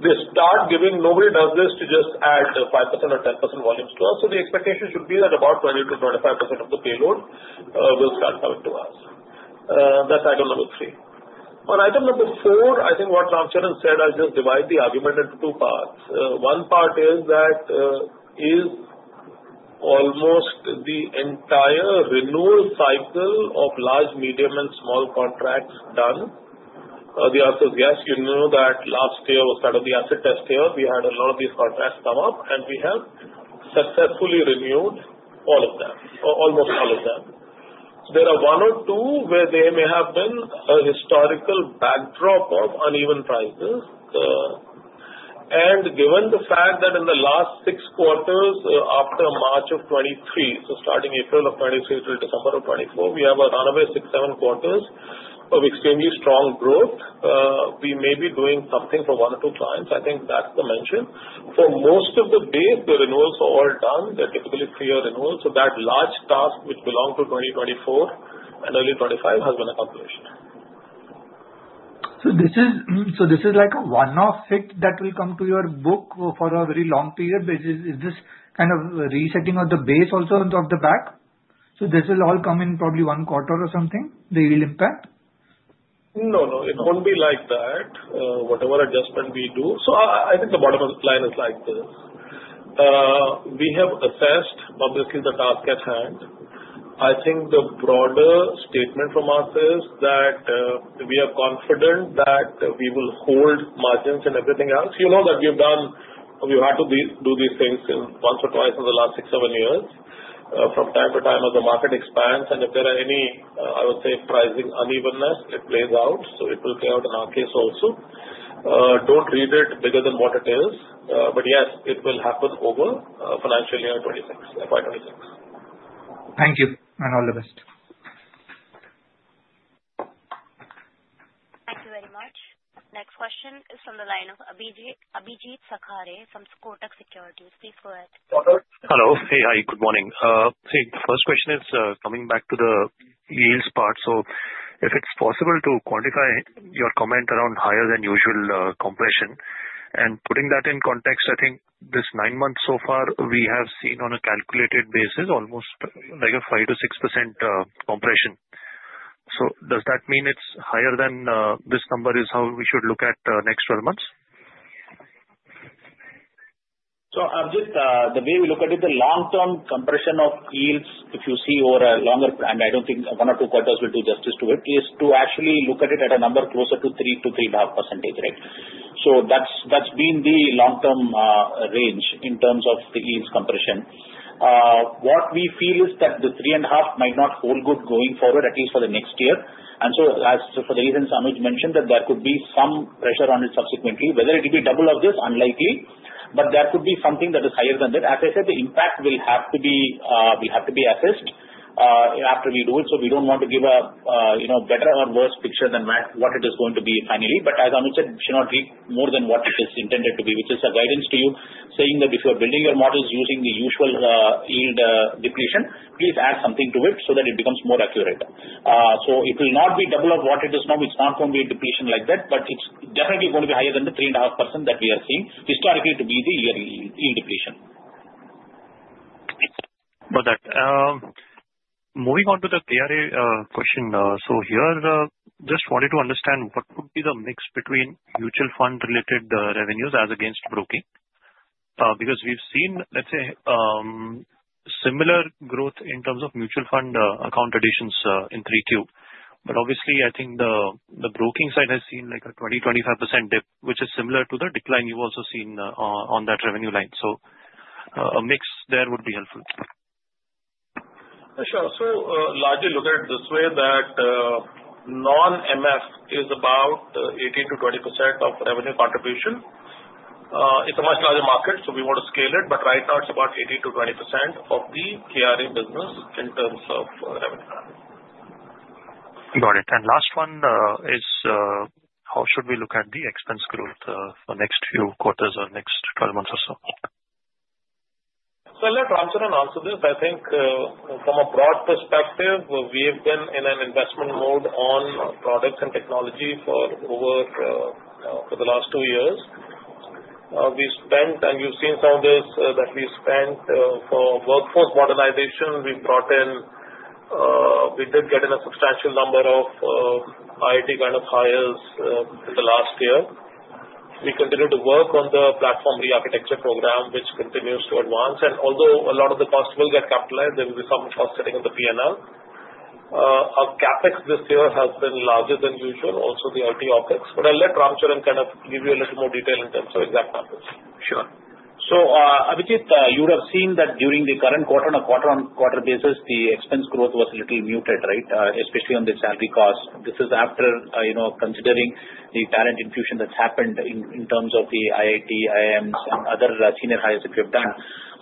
They start giving. Nobody does this to just add 5% or 10% volumes to us. So the expectation should be that about 20%-25% of the payload will start coming to us. That's item number three. On item number four, I think what Ramcharan said I just divide the argument into two parts. One part is that, is almost the entire renewal cycle of large, medium, and small contracts done? The answer is yes. You know that last year was part of the asset test year. We had a lot of these contracts come up, and we have successfully renewed all of them, almost all of them. There are one or two where they may have been a historical backdrop of uneven prices. Given the fact that in the last six quarters after March of 2023, so starting April of 2023 to December of 2024, we have a runway six, seven quarters of extremely strong growth, we may be doing something for one or two clients. I think that's the mention. For most of the base, the renewals are all done. They're typically three-year renewals. So that large task which belonged to 2024 and early 2025 has been accomplished. So this is like a one-off fee that will come to your book for a very long period. Is this kind of resetting of the base also off the back? So this will all come in probably one quarter or something, the yield impact? No, no. It won't be like that. Whatever adjustment we do. So I think the bottom line is like this. We have assessed obviously the task at hand. I think the broader statement from us is that we are confident that we will hold margins and everything else. You know that we've had to do these things once or twice in the last six, seven years from time to time as the market expands, and if there are any, I would say, pricing unevenness, it plays out. So it will play out in our case also. Don't read it bigger than what it is, but yes, it will happen over financial year 2026, FY 2026. Thank you. And all the best. Thank you very much. Next question is from the line of Abhijit Sakhare from Kotak Securities. Please go ahead. Hello. Hey, hi. Good morning. See, the first question is coming back to the yields part. So if it's possible to quantify your comment around higher-than-usual compression, and putting that in context, I think this nine months so far, we have seen on a calculated basis almost like a 5%-6% compression. So does that mean it's higher than this number is how we should look at next 12 months? So the way we look at it, the long-term compression of yields, if you see over a longer and I don't think one or two quarters will do justice to it, is to actually look at it at a number closer to 3%-3.5%, right? So that's been the long-term range in terms of the yields compression. What we feel is that the 3.5% might not hold good going forward, at least for the next year. And so for the reasons Anuj mentioned, that there could be some pressure on it subsequently. Whether it will be double of this, unlikely. But there could be something that is higher than that. As I said, the impact will have to be assessed after we do it. So we don't want to give a better or worse picture than what it is going to be finally. But as Anuj said, it should not be more than what it is intended to be, which is a guidance to you saying that if you're building your models using the usual yield depletion, please add something to it so that it becomes more accurate. So it will not be double of what it is now. It's not going to be a depletion like that, but it's definitely going to be higher than the 3.5% that we are seeing historically to be the yield depletion. Perfect. Moving on to the KRA question. So here, just wanted to understand what would be the mix between mutual fund-related revenues as against broking? Because we've seen, let's say, similar growth in terms of mutual fund account additions in 3Q. But obviously, I think the broking side has seen like a 20%-25% dip, which is similar to the decline you've also seen on that revenue line. So a mix there would be helpful. Sure. So largely look at it this way that non-MF is about 18%-20% of revenue contribution. It's a much larger market, so we want to scale it. But right now, it's about 18%-20% of the KRA business in terms of revenue. Got it. And last one is, how should we look at the expense growth for next few quarters or next 12 months or so? So I'll let Ramcharan answer this. I think from a broad perspective, we have been in an investment mode on products and technology for the last two years. We spent, and you've seen some of this, that we spent for workforce modernization. We did get in a substantial number of IT kind of hires in the last year. We continue to work on the platform re-architecture program, which continues to advance. And although a lot of the cost will get capitalized, there will be some cost sitting on the P&L. Our CapEx this year has been larger than usual, also the IT OpEx. But I'll let Ramcharan kind of give you a little more detail in terms of exact numbers. Sure. So Abhijit, you have seen that during the current quarter-on-quarter basis, the expense growth was a little muted, right? Especially on the salary cost. This is after considering the talent infusion that's happened in terms of the IIT, IIMs, and other senior hires that we have done.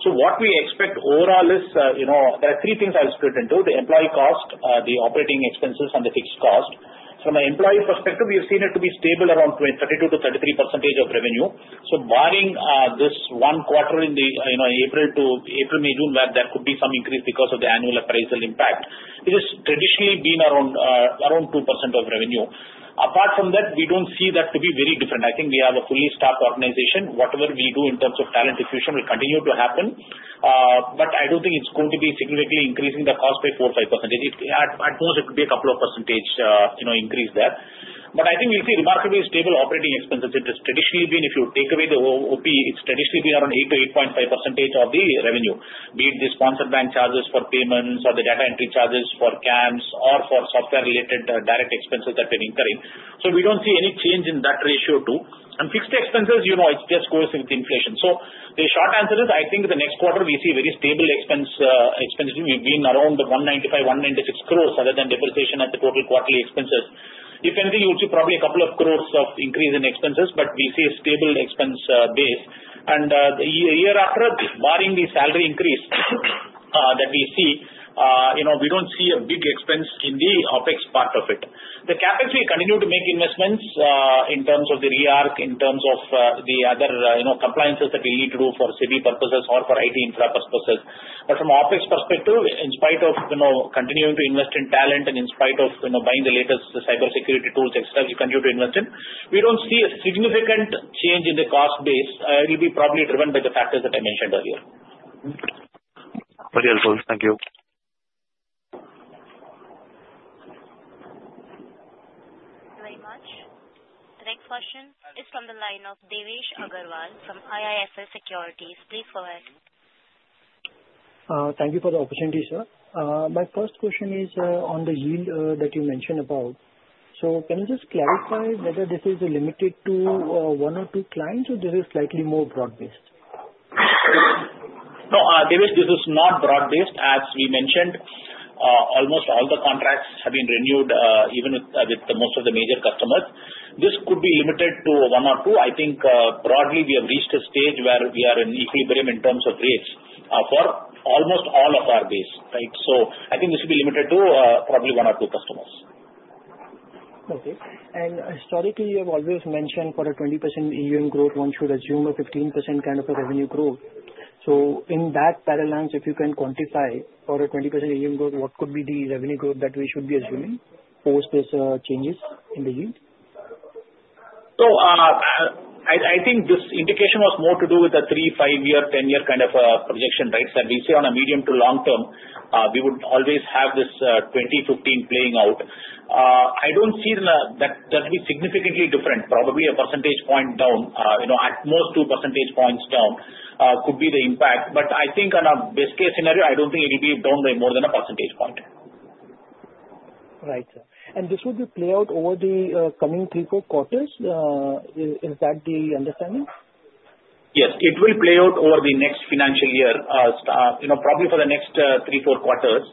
So what we expect overall is there are three things I'll split into: the employee cost, the operating expenses, and the fixed cost. From an employee perspective, we have seen it to be stable around 32%-33% of revenue. So barring this one quarter in April, May, June, where there could be some increase because of the annual appraisal impact, it has traditionally been around 2% of revenue. Apart from that, we don't see that to be very different. I think we have a fully staffed organization. Whatever we do in terms of talent infusion will continue to happen. I don't think it's going to be significantly increasing the cost by 4% or 5%. At most, it could be a couple of % increase there. I think we'll see remarkably stable operating expenses. It has traditionally been, if you take away the OpEx, it's traditionally been around 8%-8.5% of the revenue, be it the sponsored bank charges for payments or the data entry charges for CAMS or for software-related direct expenses that we're incurring. We don't see any change in that ratio too. Fixed expenses, it just goes with inflation. The short answer is, I think the next quarter, we see very stable expenses. We've been around the 195-196 crores other than depreciation at the total quarterly expenses. If anything, you would see probably a couple of crores of increase in expenses, but we see a stable expense base. The year after, barring the salary increase that we see, we don't see a big expense in the OpEx part of it. The CapEx, we continue to make investments in terms of the re-arch, in terms of the other compliances that we need to do for GIFT City purposes or for IT infra purposes. From OpEx perspective, in spite of continuing to invest in talent and in spite of buying the latest cybersecurity tools, etc., we continue to invest in. We don't see a significant change in the cost base. It will be probably driven by the factors that I mentioned earlier. Very helpful. Thank you. Thank you very much. The next question is from the line of Devesh Agarwal from IIFL Securities. Please go ahead. Thank you for the opportunity, sir. My first question is on the yield that you mentioned about. So can you just clarify whether this is limited to one or two clients or this is slightly more broad-based? No, Devesh, this is not broad-based. As we mentioned, almost all the contracts have been renewed even with most of the major customers. This could be limited to one or two. I think broadly, we have reached a stage where we are in equilibrium in terms of rates for almost all of our base, right? So I think this will be limited to probably one or two customers. Okay. And historically, you have always mentioned for a 20% AUM growth, one should assume a 15% kind of a revenue growth. So in that paradigm, if you can quantify for a 20% AUM growth, what could be the revenue growth that we should be assuming post these changes in the yield? I think this indication was more to do with a 3-5-year, 10-year kind of projection, right? That we see on a medium- to long-term, we would always have this 20-15 playing out. I don't see that that will be significantly different. Probably a percentage point down, at most two percentage points down could be the impact. But I think on a best-case scenario, I don't think it will be down by more than a percentage point. Right. And this will play out over the coming three or four quarters. Is that the understanding? Yes. It will play out over the next financial year, probably for the next three or four quarters.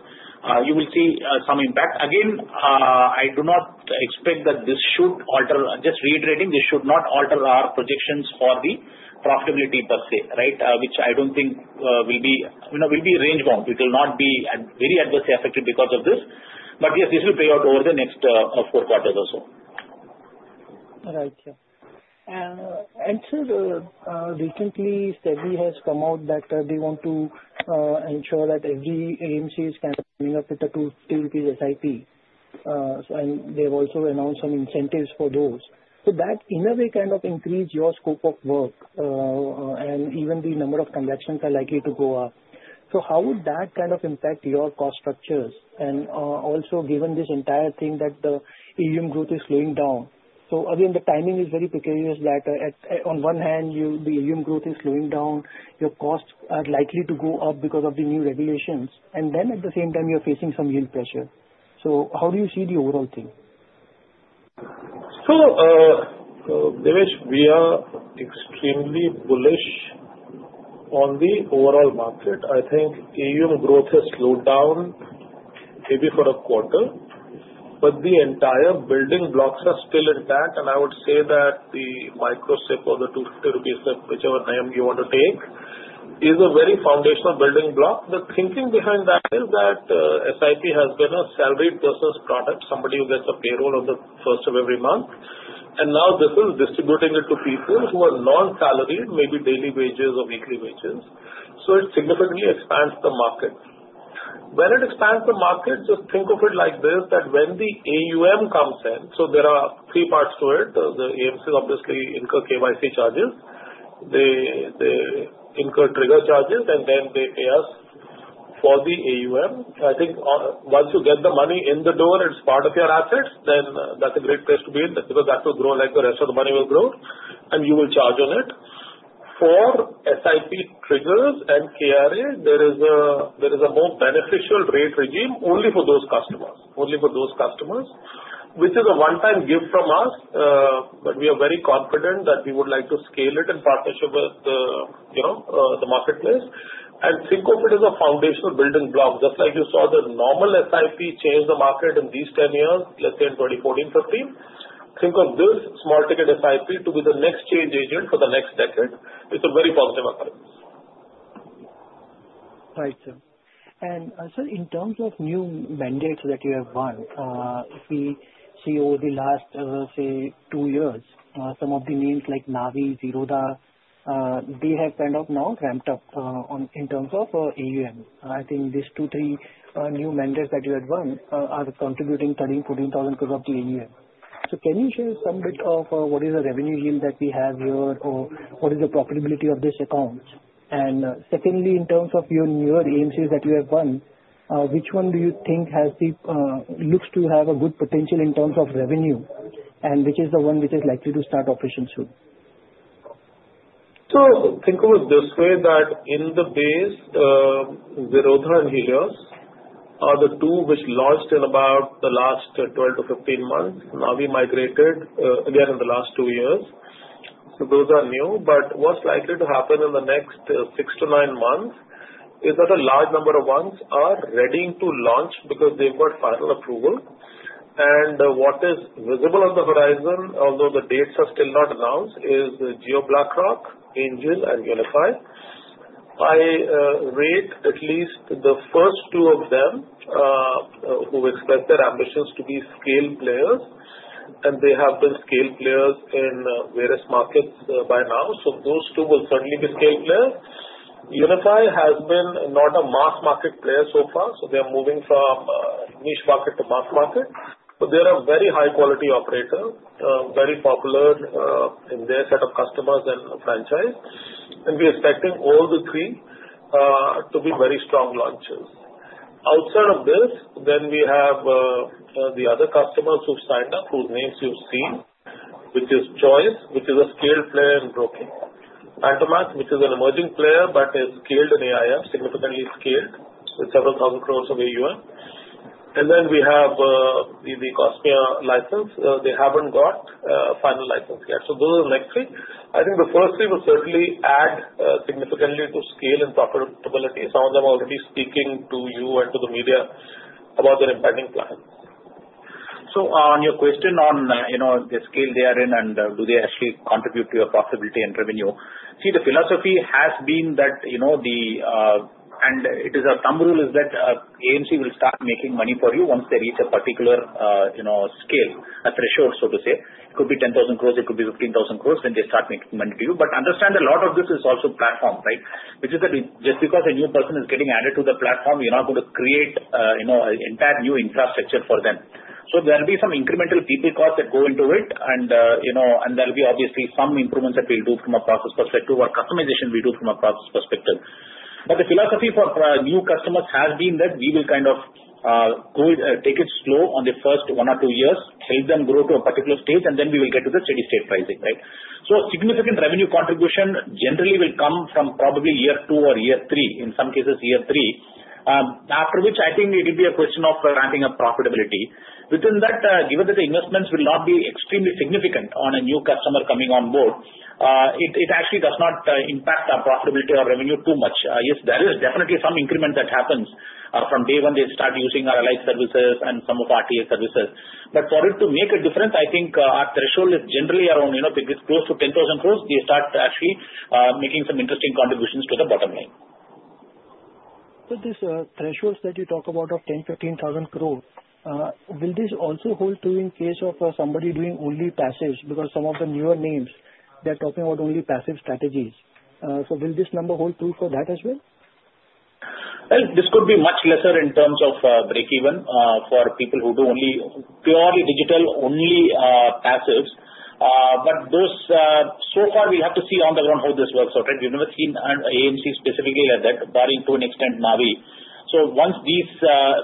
You will see some impact. Again, I do not expect that this should alter. Just reiterating, this should not alter our projections for the profitability per se, right? Which I don't think will be range bound. It will not be very adversely affected because of this. But yes, this will play out over the next four quarters or so. Right. And sir, recently, SEBI has come out that they want to ensure that every AMC is kind of coming up with a two to three rupee SIP. And they have also announced some incentives for those. So that in a way kind of increased your scope of work and even the number of transactions are likely to go up. So how would that kind of impact your cost structures? And also, given this entire thing that the AUM growth is slowing down, so again, the timing is very precarious that on one hand, the AUM growth is slowing down, your costs are likely to go up because of the new regulations. And then at the same time, you're facing some yield pressure. So how do you see the overall thing? So Devesh, we are extremely bullish on the overall market. I think AUM growth has slowed down maybe for a quarter. But the entire building blocks are still intact. And I would say that the micro SIP or the 250-rupee SIP, whichever name you want to take, is a very foundational building block. The thinking behind that is that SIP has been a salaried person's product, somebody who gets a payroll on the first of every month. And now this is distributing it to people who are non-salaried, maybe daily wages or weekly wages. So it significantly expands the market. When it expands the market, just think of it like this, that when the AUM comes in, so there are three parts to it. The AMCs obviously incur KYC charges, they incur trigger charges, and then they pay us for the AUM. I think once you get the money in the door, it's part of your assets, then that's a great place to be in because that will grow like the rest of the money will grow, and you will charge on it. For SIP triggers and KRA, there is a more beneficial rate regime only for those customers, only for those customers, which is a one-time gift from us. But we are very confident that we would like to scale it in partnership with the marketplace. And think of it as a foundational building block. Just like you saw the normal SIP change the market in these 10 years, let's say in 2014, 2015, think of this small-ticket SIP to be the next change agent for the next decade. It's a very positive approach. Right, sir. And sir, in terms of new mandates that you have won, if we see over the last, say, two years, some of the names like Navi, Zerodha, they have kind of now ramped up in terms of AUM. I think these two, three new mandates that you have won are contributing 13-14 thousand crores of the AUM. So can you share some bit of what is the revenue yield that we have here or what is the profitability of this account? And secondly, in terms of your newer AMCs that you have won, which one do you think looks to have a good potential in terms of revenue, and which is the one which is likely to start operations soon? So think of it this way that in the base, Zerodha and Helios are the two which launched in about the last 12-15 months. Navi migrated again in the last two years. So those are new. But what's likely to happen in the next six to nine months is that a large number of ones are ready to launch because they've got final approval. And what is visible on the horizon, although the dates are still not announced, is Jio BlackRock, Angel, and Unifi. I rate at least the first two of them who expressed their ambitions to be scale players. And they have been scale players in various markets by now. So those two will certainly be scale players. Unifi has been not a mass market player so far. So they are moving from niche market to mass market. But they are a very high-quality operator, very popular in their set of customers and franchise. and we are expecting all the three to be very strong launches. Outside of this, then we have the other customers who've signed up, whose names you've seen, which is Choice, which is a scale player in broking. Pantomath, which is an emerging player, but is scaled in AIF, significantly scaled with several thousand crores of AUM. and then we have the Cosmea license. They haven't got final license yet. So those are the next three. I think the first three will certainly add significantly to scale and profitability. Some of them are already speaking to you and to the media about their impending plans. So, on your question on the scale they are in and do they actually contribute to your profitability and revenue, see, the philosophy has been that the, and it is a thumb rule, is that AMC will start making money for you once they reach a particular scale, a threshold, so to say. It could be 10,000 crores. It could be 15,000 crores. Then they start making money to you. But understand a lot of this is also platform, right? Which is that just because a new person is getting added to the platform, you're not going to create an entire new infrastructure for them. So there will be some incremental people costs that go into it. And there will be obviously some improvements that we'll do from a process perspective or customization we do from a process perspective. But the philosophy for new customers has been that we will kind of take it slow on the first one or two years, help them grow to a particular stage, and then we will get to the steady-state pricing, right? So significant revenue contribution generally will come from probably year two or year three, in some cases year three, after which I think it will be a question of ramping up profitability. Within that, given that the investments will not be extremely significant on a new customer coming on board, it actually does not impact our profitability or revenue too much. Yes, there is definitely some increment that happens from day one they start using our allied services and some of our TA services. But for it to make a difference, I think our threshold is generally around close to 10,000 crores. They start actually making some interesting contributions to the bottom line. So these thresholds that you talk about of 10, 15 thousand crores, will this also hold true in case of somebody doing only passives? Because some of the newer names, they're talking about only passive strategies. So will this number hold true for that as well? This could be much lesser in terms of break-even for people who do purely digital, only passives. But so far, we have to see on the ground how this works out, right? We've never seen an AMC specifically like that, barring to an extent Navi. So once these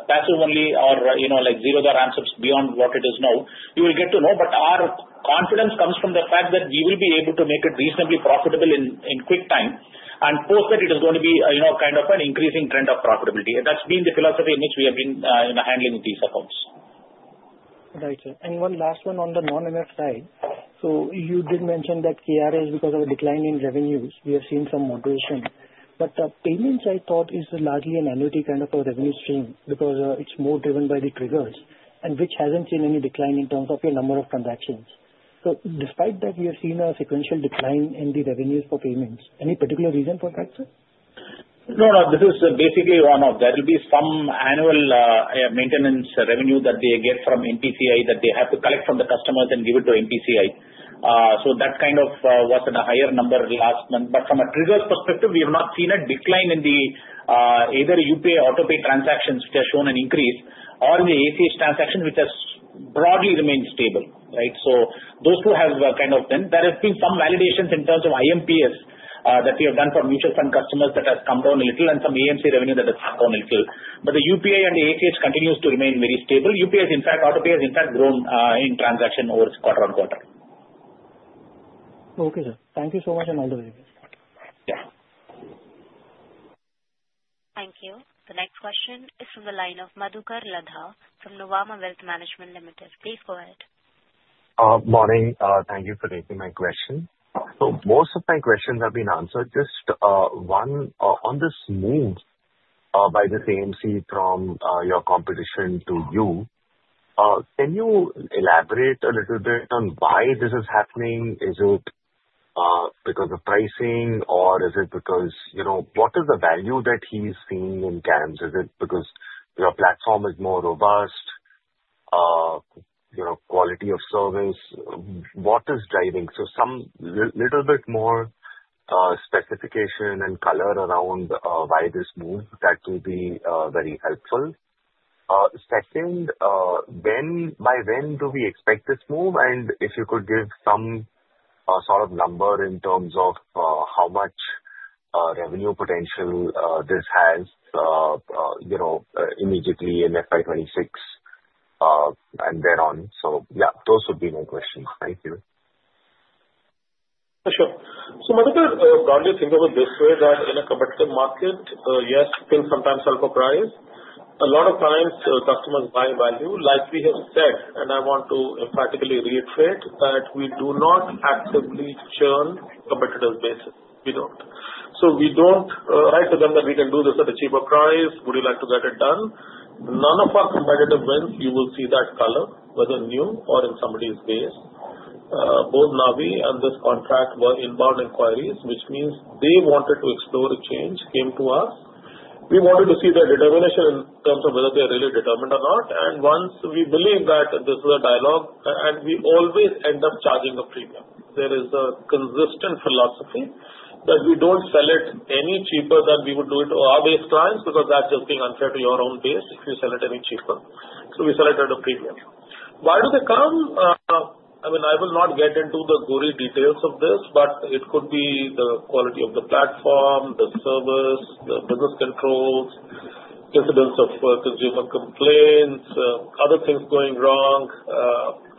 passive-only or Zerodha ramps up beyond what it is now, you will get to know. But our confidence comes from the fact that we will be able to make it reasonably profitable in quick time and post that it is going to be kind of an increasing trend of profitability. That's been the philosophy in which we have been handling these accounts. Right. And one last one on the non-MF side. So you did mention that KRA is because of a decline in revenues. We have seen some moderation. But payments, I thought, is largely an annuity kind of a revenue stream because it's more driven by the triggers, and which hasn't seen any decline in terms of your number of transactions. So despite that, we have seen a sequential decline in the revenues for payments. Any particular reason for that, sir? No, no. This is basically one of that. There will be some annual maintenance revenue that they get from NPCI that they have to collect from the customers and give it to NPCI. So that kind of was at a higher number last month. But from a triggers perspective, we have not seen a decline in either UPI Autopay transactions, which have shown an increase, or in the ACH transactions, which has broadly remained stable, right? So those two have kind of been. There have been some validations in terms of IMPS that we have done for mutual fund customers that has come down a little and some AMC revenue that has come down a little. But the UPI and the ACH continues to remain very stable. UPI, in fact, autopay has in fact grown in transaction over quarter on quarter. Okay, sir. Thank you so much and all the very best. Yeah. Thank you. The next question is from the line of Madhukar Ladha from Nuvama Wealth Management Limited. Please go ahead. Morning. Thank you for taking my question. So most of my questions have been answered. Just one on this move by this AMC from your competition to you. Can you elaborate a little bit on why this is happening? Is it because of pricing, or is it because, what is the value that he's seeing in CAMS? Is it because your platform is more robust, quality of service? What is driving? So some little bit more specification and color around why this move, that will be very helpful. Second, by when do we expect this move? And if you could give some sort of number in terms of how much revenue potential this has immediately in FY 26 and thereon. So yeah, those would be my questions. Thank you. For sure. So Madhukar, broadly think of it this way that in a competitive market, yes, things sometimes sell for price. A lot of times, customers buy value. Like we have said, and I want to emphatically reiterate that we do not actively churn competitors' bases. We don't. So we don't write to them that we can do this at a cheaper price. Would you like to get it done? None of our competitive wins, you will see that color whether new or in somebody's base. Both Navi and this contract were inbound inquiries, which means they wanted to explore a change, came to us. We wanted to see their determination in terms of whether they are really determined or not. And once we believe that this is a dialogue, and we always end up charging a premium. There is a consistent philosophy that we don't sell it any cheaper than we would do it to our base clients because that's just being unfair to your own base if you sell it any cheaper. So we sell it at a premium. Why do they come? I mean, I will not get into the gory details of this, but it could be the quality of the platform, the service, the business controls, incidents of consumer complaints, other things going wrong,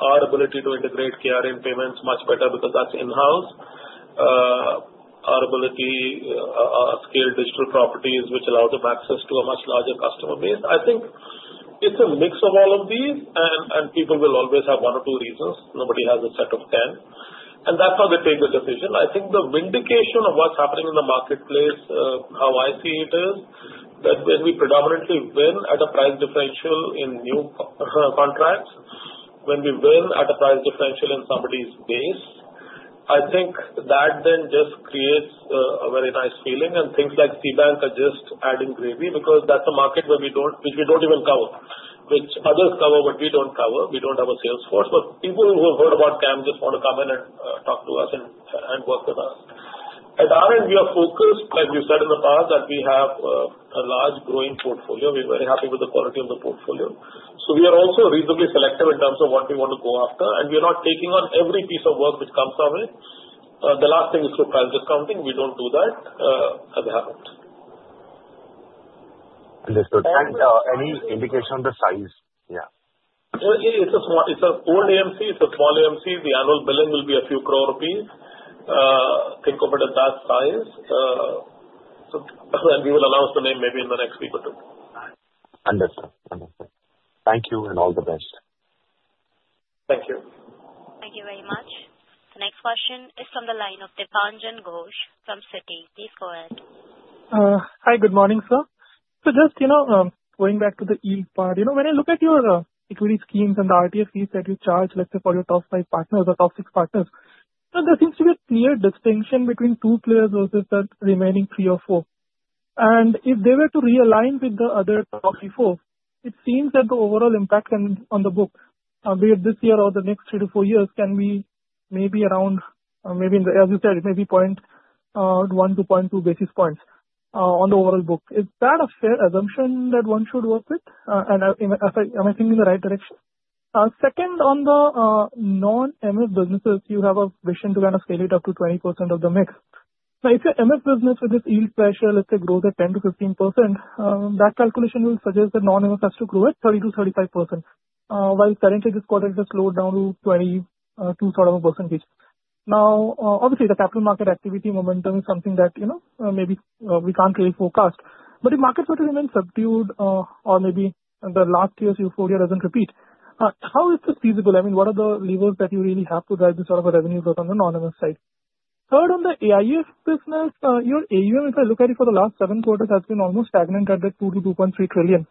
our ability to integrate KRA payments much better because that's in-house, our ability to scale digital properties which allows them access to a much larger customer base. I think it's a mix of all of these, and people will always have one or two reasons. Nobody has a set of 10. And that's how they take the decision. I think the vindication of what's happening in the marketplace, how I see it is that when we predominantly win at a price differential in new contracts, when we win at a price differential in somebody's base, I think that then just creates a very nice feeling. And things like SeaBank are just adding gravy because that's a market which we don't even cover, which others cover but we don't cover. We don't have a salesforce. But people who have heard about CAMS just want to come in and talk to us and work with us. At our end, our focus, as we've said in the past, is that we have a large growing portfolio. We're very happy with the quality of the portfolio. So we are also reasonably selective in terms of what we want to go after, and we are not taking on every piece of work which comes our way. The last thing is through price discounting. We don't do that. Has it happened? Understood. And any indication on the size? Yeah. It's a small AMC. The annual billing will be a few crore rupees. Think of it at that size, and we will announce the name maybe in the next week or two. Understood. Understood. Thank you and all the best. Thank you. Thank you very much. The next question is from the line of Dipanjan Ghosh from Citi. Please go ahead. Hi, good morning, sir. So just going back to the yield part, when I look at your equity schemes and the RTA fees that you charge, let's say, for your top five partners or top six partners, there seems to be a clear distinction between two players versus the remaining three or four. And if they were to realign with the other top three, four, it seems that the overall impact on the book, be it this year or the next three to four years, can be maybe around, as you said, maybe 0.1 to 0.2 basis points on the overall book. Is that a fair assumption that one should work with? And am I thinking in the right direction? Second, on the non-MF businesses, you have a vision to kind of scale it up to 20% of the mix. Now, if your MF business with this yield threshold, let's say, grows at 10%-15%, that calculation will suggest that non-MF has to grow at 30%-35%, while currently this quarter has slowed down to 22% sort of. Now, obviously, the capital market activity momentum is something that maybe we can't really forecast. But if markets were to remain subdued or maybe the last year's euphoria doesn't repeat, how is this feasible? I mean, what are the levers that you really have to drive this sort of a revenue growth on the non-MF side? Third, on the AIF business, your AUM, if I look at it for the last seven quarters, has been almost stagnant at the 2-2.3 trillion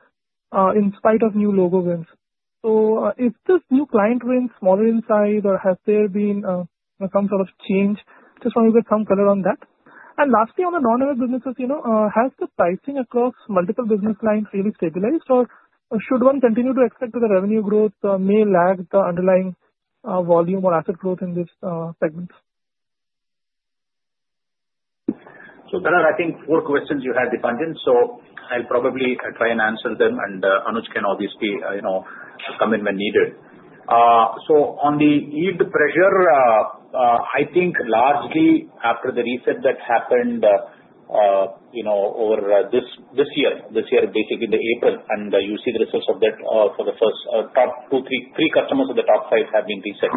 in spite of new logo wins. So if this new client wins smaller in size or has there been some sort of change, just want to get some color on that. And lastly, on the non-MF businesses, has the pricing across multiple business lines really stabilized, or should one continue to expect that the revenue growth may lag the underlying volume or asset growth in these segments? So there are, I think, four questions you had, Dipanjan. So I'll probably try and answer them, and Anuj can obviously come in when needed. So on the yield pressure, I think largely after the reset that happened over this year, this year, basically the April, and you see the results of that for the first top two, three customers of the top five have been reset.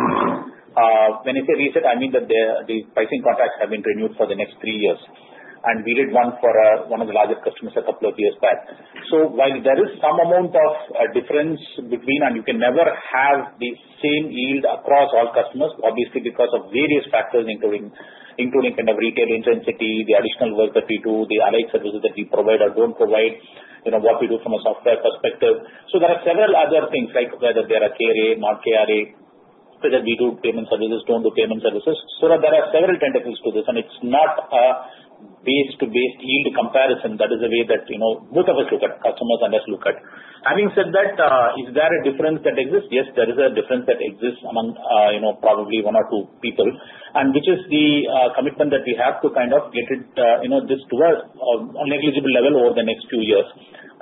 When I say reset, I mean that the pricing contracts have been renewed for the next three years. And we did one for one of the largest customers a couple of years back. So while there is some amount of difference between, and you can never have the same yield across all customers, obviously because of various factors including kind of retail intensity, the additional work that we do, the allied services that we provide or don't provide, what we do from a software perspective. So there are several other things, like whether they are a KRA, not KRA, whether we do payment services, don't do payment services. So there are several tentacles to this, and it's not a base-to-base yield comparison. That is the way that both of us look at customers and us look at. Having said that, is there a difference that exists? Yes, there is a difference that exists among probably one or two people, and which is the commitment that we have to kind of get this to a negligible level over the next few years.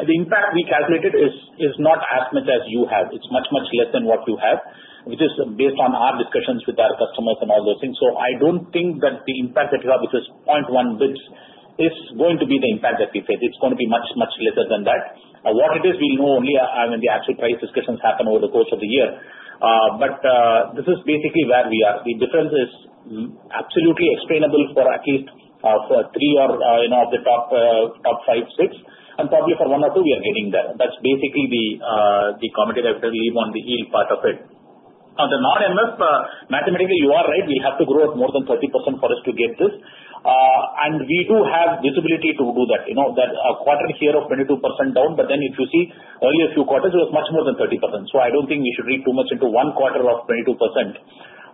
The impact we calculated is not as much as you have. It's much, much less than what you have, which is based on our discussions with our customers and all those things. So I don't think that the impact that you have, which is 0.1 basis points, is going to be the impact that we face. It's going to be much, much lesser than that. What it is, we'll know only when the actual price discussions happen over the course of the year, but this is basically where we are. The difference is absolutely explainable for at least three or the top five, six, and probably for one or two, we are getting there. That's basically the comment thereafter on the yield part of it. Now, the non-MF, mathematically, you are right. We have to grow at more than 30% for us to get this. We do have visibility to do that. That quarter here of 22% down, but then if you see earlier few quarters, it was much more than 30%. So I don't think we should read too much into one quarter of 22%.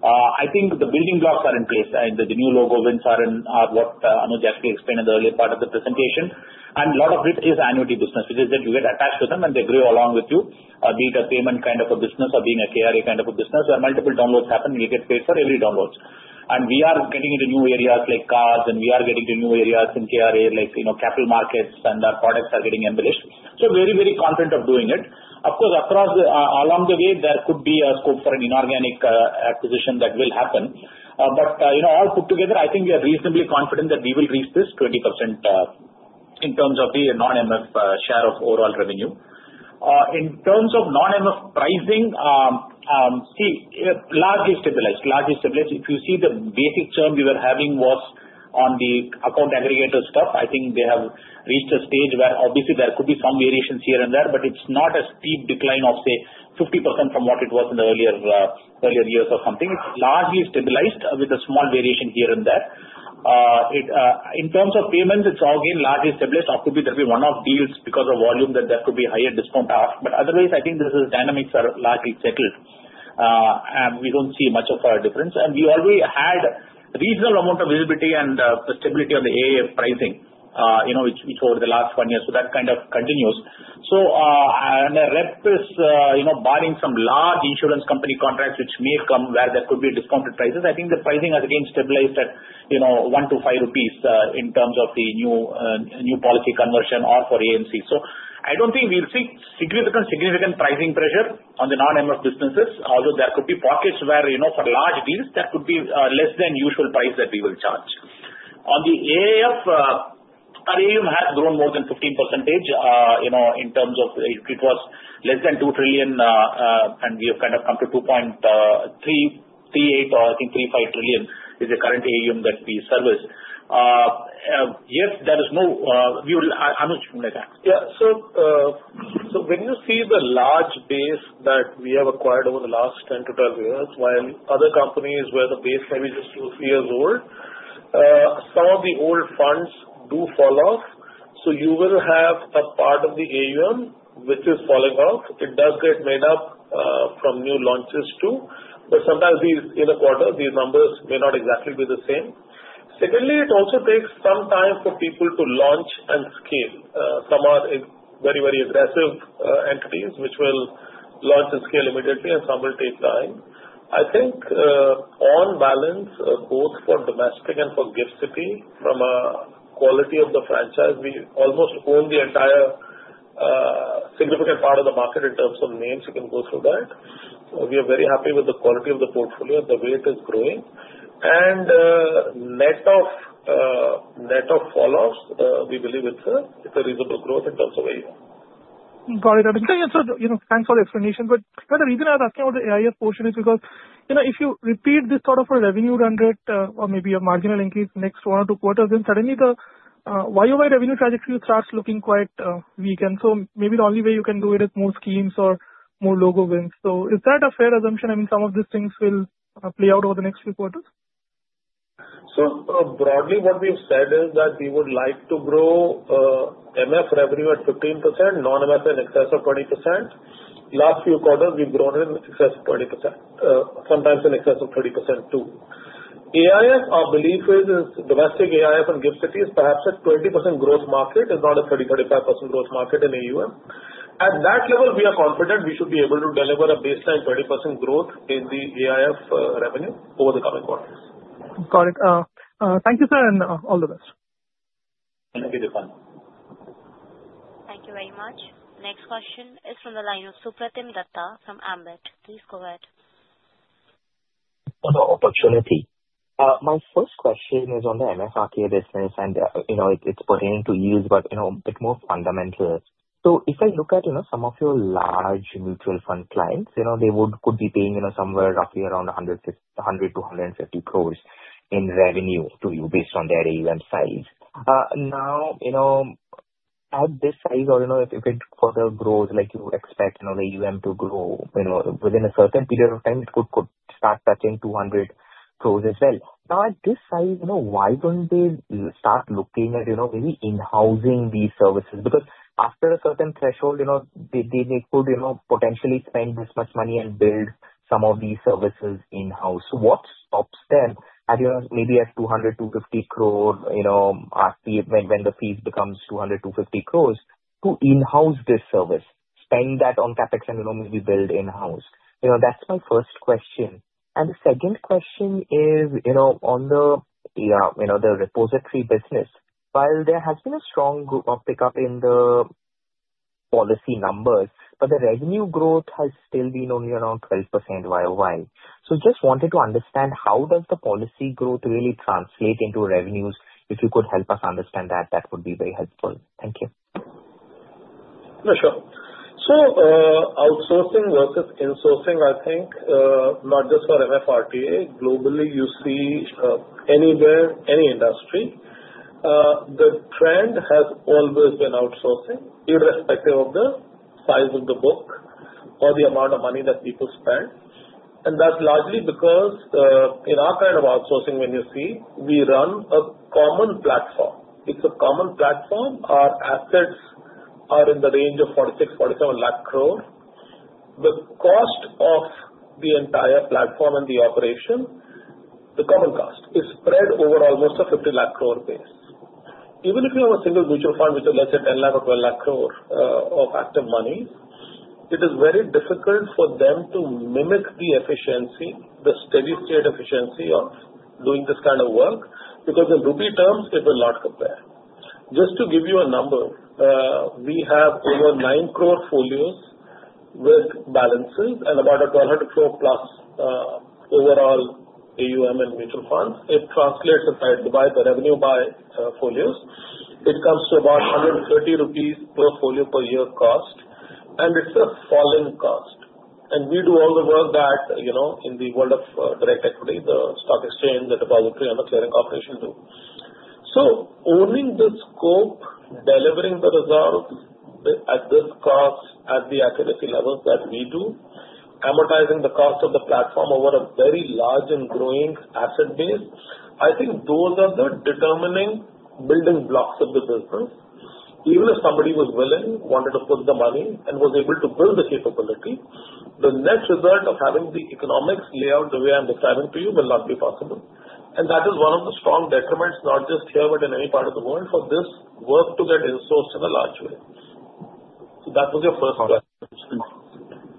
I think the building blocks are in place, and the new logo wins are what Anuj actually explained in the earlier part of the presentation. A lot of it is annuity business, which is that you get attached to them, and they grow along with you, be it a payment kind of a business or being a KRA kind of a business. There are multiple downloads happening. You get paid for every download. We are getting into new areas like CAMS, and we are getting into new areas in KRA, like capital markets, and our products are getting embellished. So very, very confident of doing it. Of course, along the way, there could be a scope for an inorganic acquisition that will happen. But all put together, I think we are reasonably confident that we will reach this 20% in terms of the non-MF share of overall revenue. In terms of non-MF pricing, see, largely stabilized. Largely stabilized. If you see the basic term we were having was on the account aggregator stuff, I think they have reached a stage where obviously there could be some variations here and there, but it's not a steep decline of, say, 50% from what it was in the earlier years or something. It's largely stabilized with a small variation here and there. In terms of payments, it's all again largely stabilized. It could be there'll be one-off deals because of volume that there could be higher discount off. But otherwise, I think these dynamics are largely settled, and we don't see much of a difference. And we already had a reasonable amount of visibility and stability on the AA pricing, which over the last one year. So that kind of continues. So, barring some large insurance company contracts, which may come where there could be discounted prices, I think the pricing has again stabilized at 1-5 rupees in terms of the new policy conversion or for eIA. So I don't think we'll see significant pricing pressure on the non-MF businesses, although there could be pockets where for large deals, there could be less than usual price that we will charge. On the AIF, our AUM has grown more than 15% in terms of it was less than 2 trillion, and we have kind of come to 2.38 or I think 3.5 trillion is the current AUM that we service. Yes, there is no Anuj, you may come. Yeah. So when you see the large base that we have acquired over the last 10-12 years, while other companies where the base can be just two or three years old, some of the old funds do fall off. So you will have a part of the AUM which is falling off. It does get made up from new launches too, but sometimes in a quarter, these numbers may not exactly be the same. Secondly, it also takes some time for people to launch and scale. Some are very, very aggressive entities which will launch and scale immediately, and some will take time. I think on balance, both for domestic and for GIFT City, from a quality of the franchise, we almost own the entire significant part of the market in terms of names. You can go through that. We are very happy with the quality of the portfolio. The weight is growing, and net of falloffs, we believe it's a reasonable growth in terms of AUM. Got it. So thanks for the explanation. But the reason I was asking about the AIF portion is because if you repeat this sort of a revenue rendered or maybe a marginal increase next one or two quarters, then suddenly the YOY revenue trajectory starts looking quite weak. And so maybe the only way you can do it is more schemes or more logo wins. So is that a fair assumption? I mean, some of these things will play out over the next few quarters? Broadly, what we've said is that we would like to grow MF revenue at 15%, non-MF in excess of 20%. Last few quarters, we've grown in excess of 20%, sometimes in excess of 30% too. AIF, our belief is, is domestic AIF and GIFT City, perhaps a 20% growth market, if not a 30%-35% growth market in AUM. At that level, we are confident we should be able to deliver a baseline 20% growth in the AIF revenue over the coming quarters. Got it. Thank you, sir, and all the best. Thank you, Dipanjan. Thank you very much. Next question is from the line of Supratim Datta from Ambit. Please go ahead. Hello, Operator. My first question is on the MF RTA business, and it's pertaining to yields, but a bit more fundamental. So if I look at some of your large mutual fund clients, they could be paying somewhere roughly around 100-150 crores in revenue to you based on their AUM size. Now, at this size, or if it further grows like you expect the AUM to grow within a certain period of time, it could start touching 200 crores as well. Now, at this size, why don't they start looking at maybe in-housing these services? Because after a certain threshold, they could potentially spend this much money and build some of these services in-house. What stops them at maybe at 200-250 crore when the fees become 200-250 crores to in-house this service, spend that on CapEx and maybe build in-house? That's my first question. The second question is on the repository business. While there has been a strong pickup in the policy numbers, but the revenue growth has still been only around 12% YOY. Just wanted to understand how does the policy growth really translate into revenues? If you could help us understand that, that would be very helpful. Thank you. Sure. Outsourcing versus insourcing, I think, not just for MF RTAs, globally, you see anywhere, any industry, the trend has always been outsourcing, irrespective of the size of the book or the amount of money that people spend. And that's largely because in our kind of outsourcing, when you see, we run a common platform. It's a common platform. Our assets are in the range of 46-47 lakh crore. The cost of the entire platform and the operation, the common cost, is spread over almost an 50 lakh crore base. Even if you have a single mutual fund with, let's say, 10 lakh or 12 lakh crore of active money, it is very difficult for them to mimic the efficiency, the steady-state efficiency of doing this kind of work because in rupee terms, it will not compare. Just to give you a number, we have over nine crore folios with balances and about 1,200 crore plus overall AUM and mutual funds. It translates by the revenue by folios. It comes to about 130 rupees per folio per year cost, and it's a falling cost, and we do all the work that in the world of direct equity, the stock exchange, the depository, and the clearing operation do. So owning the scope, delivering the results at this cost, at the accuracy levels that we do, amortizing the cost of the platform over a very large and growing asset base, I think those are the determining building blocks of the business. Even if somebody was willing, wanted to put the money, and was able to build the capability, the net result of having the economics play out the way I'm describing to you will not be possible. That is one of the strong detriments, not just here, but in any part of the world, for this work to get insourced in a large way. So that was your first question.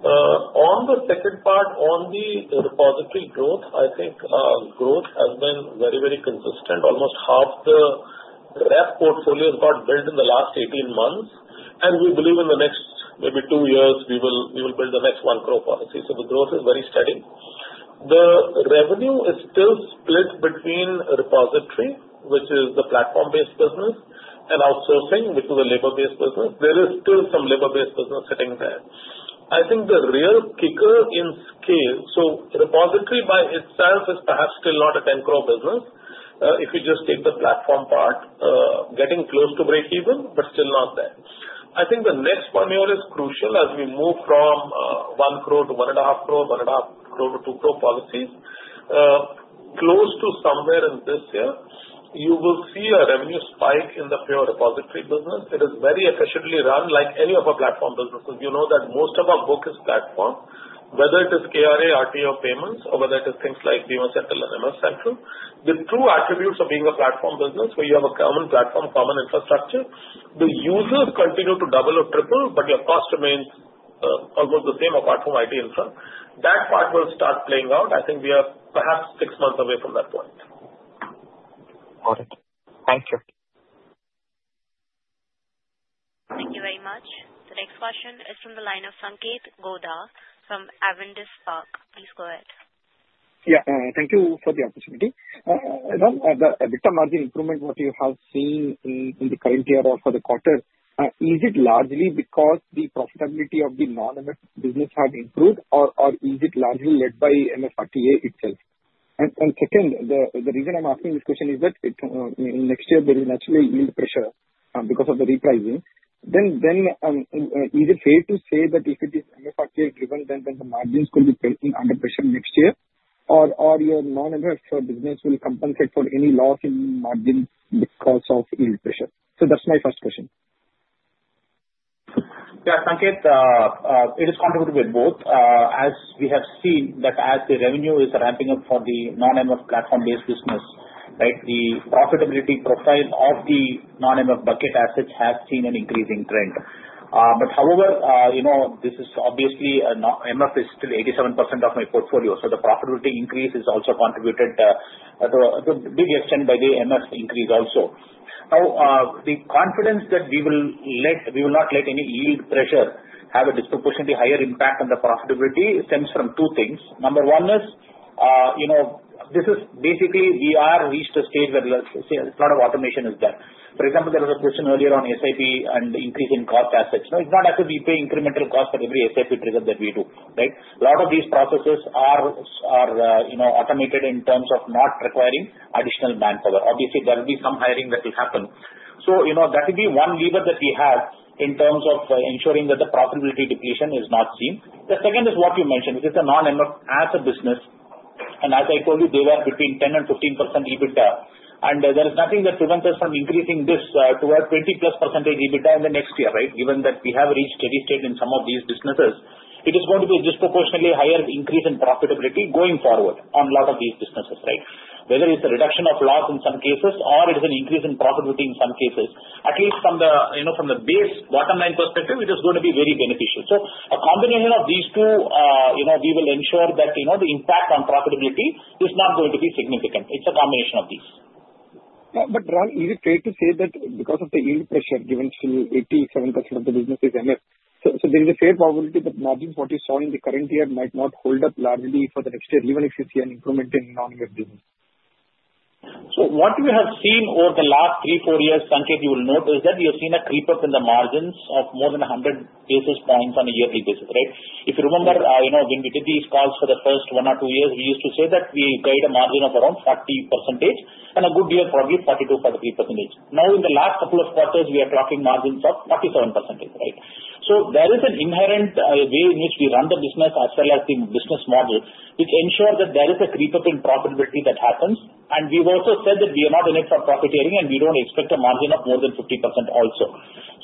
On the second part, on the repository growth, I think growth has been very, very consistent. Almost half the rep portfolios got built in the last 18 months, and we believe in the next maybe two years, we will build the next one crore policy. So the growth is very steady. The revenue is still split between repository, which is the platform-based business, and outsourcing, which is a labor-based business. There is still some labor-based business sitting there. I think the real kicker in scale, so repository by itself is perhaps still not a 10-crore business. If you just take the platform part, getting close to breakeven, but still not there. I think the next one here is crucial as we move from 1 crore to 1.5 crore, 1.5 crore to 2 crore policies. Close to somewhere in this year, you will see a revenue spike in the pure repository business. It is very efficiently run, like any of our platform businesses. You know that most of our book is platform, whether it is KRA, RTA payments, or whether it is things like Bima Central and MF Central. The true attributes of being a platform business, where you have a common platform, common infrastructure, the users continue to double or triple, but your cost remains almost the same apart from IT infra. That part will start playing out. I think we are perhaps six months away from that point. Got it. Thank you. Thank you very much. The next question is from the line of Supratim Datta from Ambit.. Please go ahead. Yeah. Thank you for the opportunity. The margin improvement, what you have seen in the current year or for the quarter, is it largely because the profitability of the non-MF business have improved, or is it largely led by MF RTA itself? And second, the reason I'm asking this question is that next year, there is naturally yield pressure because of the repricing. Then is it fair to say that if it is MF RTA driven, then the margins could be under pressure next year, or your non-MF business will compensate for any loss in margin because of yield pressure? So that's my first question. Yeah. Sanketh, it is contributed with both. As we have seen that as the revenue is ramping up for the non-MF platform-based business, right, the profitability profile of the non-MF bucket assets has seen an increasing trend. But however, this is obviously MF is still 87% of my portfolio. So the profitability increase is also contributed to a big extent by the MF increase also. Now, the confidence that we will not let any yield pressure have a disproportionately higher impact on the profitability stems from two things. Number one is this is basically we have reached a stage where a lot of automation is done. For example, there was a question earlier on SAP and increasing cost assets. It's not as if we pay incremental cost for every SAP trigger that we do, right? A lot of these processes are automated in terms of not requiring additional manpower. Obviously, there will be some hiring that will happen. So that would be one lever that we have in terms of ensuring that the profitability depletion is not seen. The second is what you mentioned, which is the non-MF as a business. And as I told you, they were between 10% and 15% EBITDA. And there is nothing that prevents us from increasing this to a 20%+ EBITDA in the next year, right? Given that we have reached steady-state in some of these businesses, it is going to be a disproportionately higher increase in profitability going forward on a lot of these businesses, right? Whether it's a reduction of loss in some cases or it is an increase in profitability in some cases, at least from the base, bottom-line perspective, it is going to be very beneficial. So a combination of these two, we will ensure that the impact on profitability is not going to be significant. It's a combination of these. But Ram, is it fair to say that because of the yield pressure, given still 87% of the business is MF, so there is a fair probability that margins, what you saw in the current year, might not hold up largely for the next year, even if you see an increment in non-MF business? So what we have seen over the last three, four years, Sanketh, you will note is that we have seen a creep up in the margins of more than 100 basis points on a yearly basis, right? If you remember, when we did these calls for the first one or two years, we used to say that we've got a margin of around 40% and a good year, probably 42%, 43%. Now, in the last couple of quarters, we are talking margins of 47%, right? So there is an inherent way in which we run the business as well as the business model, which ensures that there is a creep up in profitability that happens. And we've also said that we are not in it for profiteering, and we don't expect a margin of more than 50% also.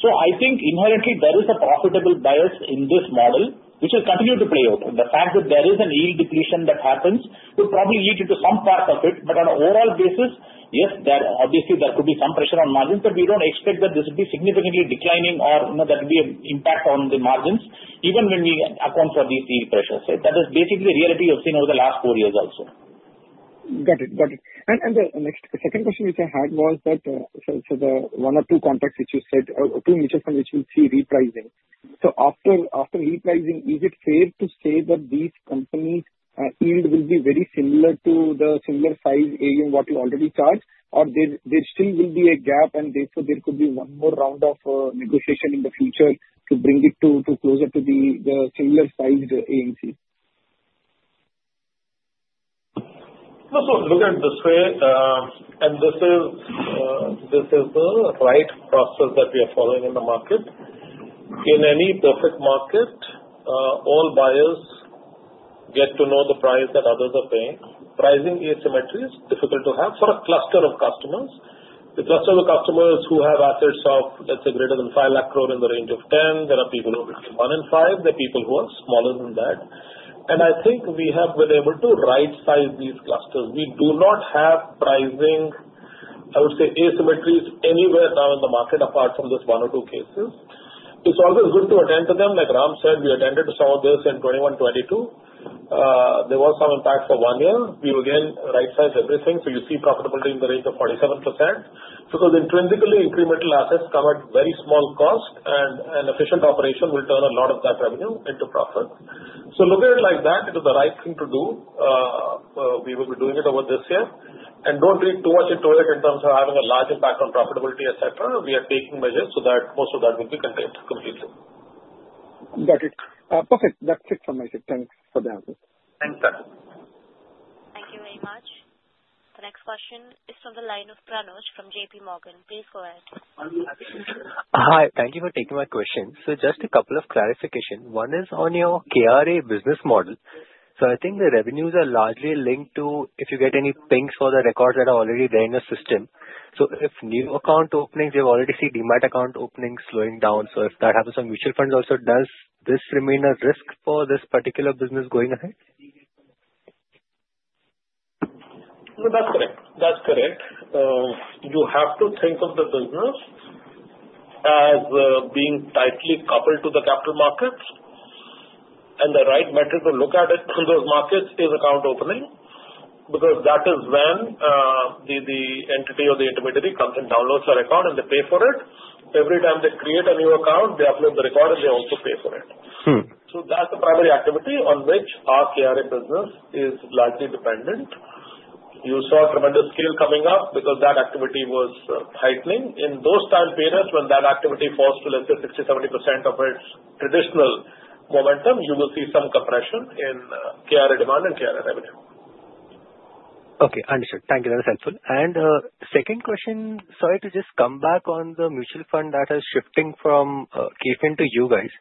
I think inherently, there is a profitable bias in this model, which will continue to play out. The fact that there is a yield depletion that happens will probably lead into some part of it. On an overall basis, yes, obviously, there could be some pressure on margins, but we don't expect that this would be significantly declining or that would be an impact on the margins, even when we account for these yield pressures. That is basically the reality we have seen over the last four years also. Got it. Got it. And the second question which I had was that for the one or two contracts which you said, two mutual funds which will see repricing. So after repricing, is it fair to say that these companies' yield will be very similar to the similar-sized AUM what you already charged, or there still will be a gap, and therefore there could be one more round of negotiation in the future to bring it closer to the similar-sized AUM? So look at this way, and this is the right process that we are following in the market. In any perfect market, all buyers get to know the price that others are paying. Pricing asymmetry is difficult to have for a cluster of customers. The cluster of customers who have assets of, let's say, greater than five lakh crore in the range of 10, there are people who are between one and five. There are people who are smaller than that. And I think we have been able to right-size these clusters. We do not have pricing, I would say, asymmetries anywhere now in the market apart from this one or two cases. It's always good to attend to them. Like Ram said, we attended to some of this in 2021, 2022. There was some impact for one year. We again right-sized everything. So you see profitability in the range of 47% because intrinsically, incremental assets come at very small cost, and an efficient operation will turn a lot of that revenue into profit. So look at it like that. It is the right thing to do. We will be doing it over this year. And don't read too much into it in terms of having a large impact on profitability, etc. We are taking measures so that most of that will be contained completely. Got it. Perfect. That's it from my side. Thanks for the answers. Thanks, sir. Thank you very much. The next question is from the line of Pranoy from JP Morgan. Please go ahead. Hi. Thank you for taking my question. So just a couple of clarifications. One is on your KRA business model. So I think the revenues are largely linked to if you get any pings for the records that are already there in the system. So if new account openings, we have already seen Demat account openings slowing down. So if that happens for mutual funds also, does this remain a risk for this particular business going ahead? That's correct. That's correct. You have to think of the business as being tightly coupled to the capital markets. And the right metric to look at it from those markets is account opening because that is when the entity or the intermediary comes and downloads a record, and they pay for it. Every time they create a new account, they upload the record, and they also pay for it. So that's the primary activity on which our KRA business is largely dependent. You saw tremendous scale coming up because that activity was heightening. In those time periods, when that activity falls to, let's say, 60%-70% of its traditional momentum, you will see some compression in KRA demand and KRA revenue. Okay. Understood. Thank you. That is helpful. And second question, sorry to just come back on the mutual fund that is shifting from KFin to you guys.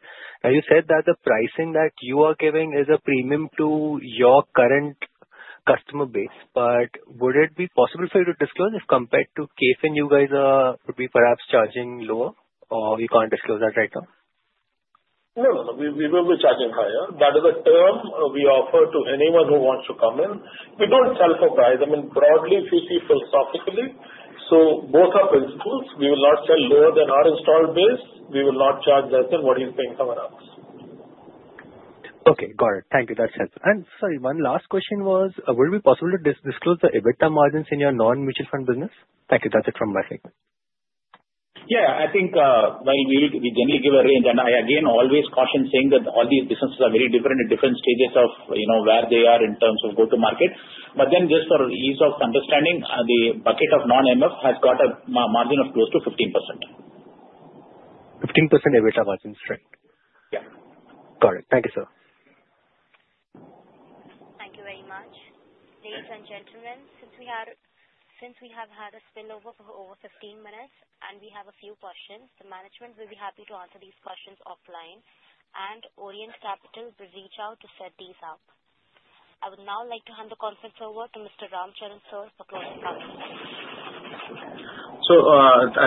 Now, you said that the pricing that you are giving is a premium to your current customer base. But would it be possible for you to disclose if compared to KFin, you guys would be perhaps charging lower, or we can't disclose that right now? No. We will be charging higher. That is a term we offer to anyone who wants to come in. We don't sell for price. I mean, broadly, fiscally, philosophically. So both are principles. We will not sell lower than our installed base. We will not charge less than what you're paying off us. Okay. Got it. Thank you. That's helpful. And sorry, one last question was, would it be possible to disclose the EBITDA margins in your non-mutual fund business? Thank you. That's it from my side. Yeah. I think, well, we generally give a range, and I, again, always caution saying that all these businesses are very different at different stages of where they are in terms of go-to-market, but then just for ease of understanding, the bucket of non-MF has got a margin of close to 15%. 15% EBITDA margins, right? Yeah. Got it. Thank you, sir. Thank you very much. Ladies and gentlemen, since we have had a spillover for over 15 minutes and we have a few questions, the management will be happy to answer these questions offline. And Orient Capital will reach out to set these up. I would now like to hand the conference over to Mr. Ramcharan Sir for closing comments. So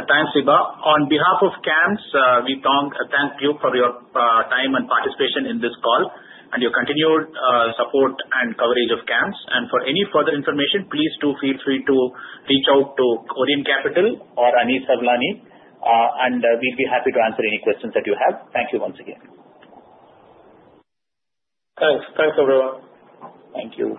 thanks, all. On behalf of CAMS, we thank you for your time and participation in this call and your continued support and coverage of CAMS. And for any further information, please do feel free to reach out to Orient Capital or Anish Sawlani. And we'd be happy to answer any questions that you have. Thank you once again. Thanks. Thanks, everyone. Thank you.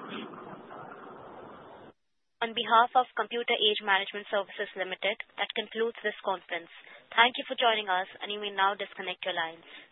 On behalf of Computer Age Management Services Limited, that concludes this conference. Thank you for joining us, and you may now disconnect your lines.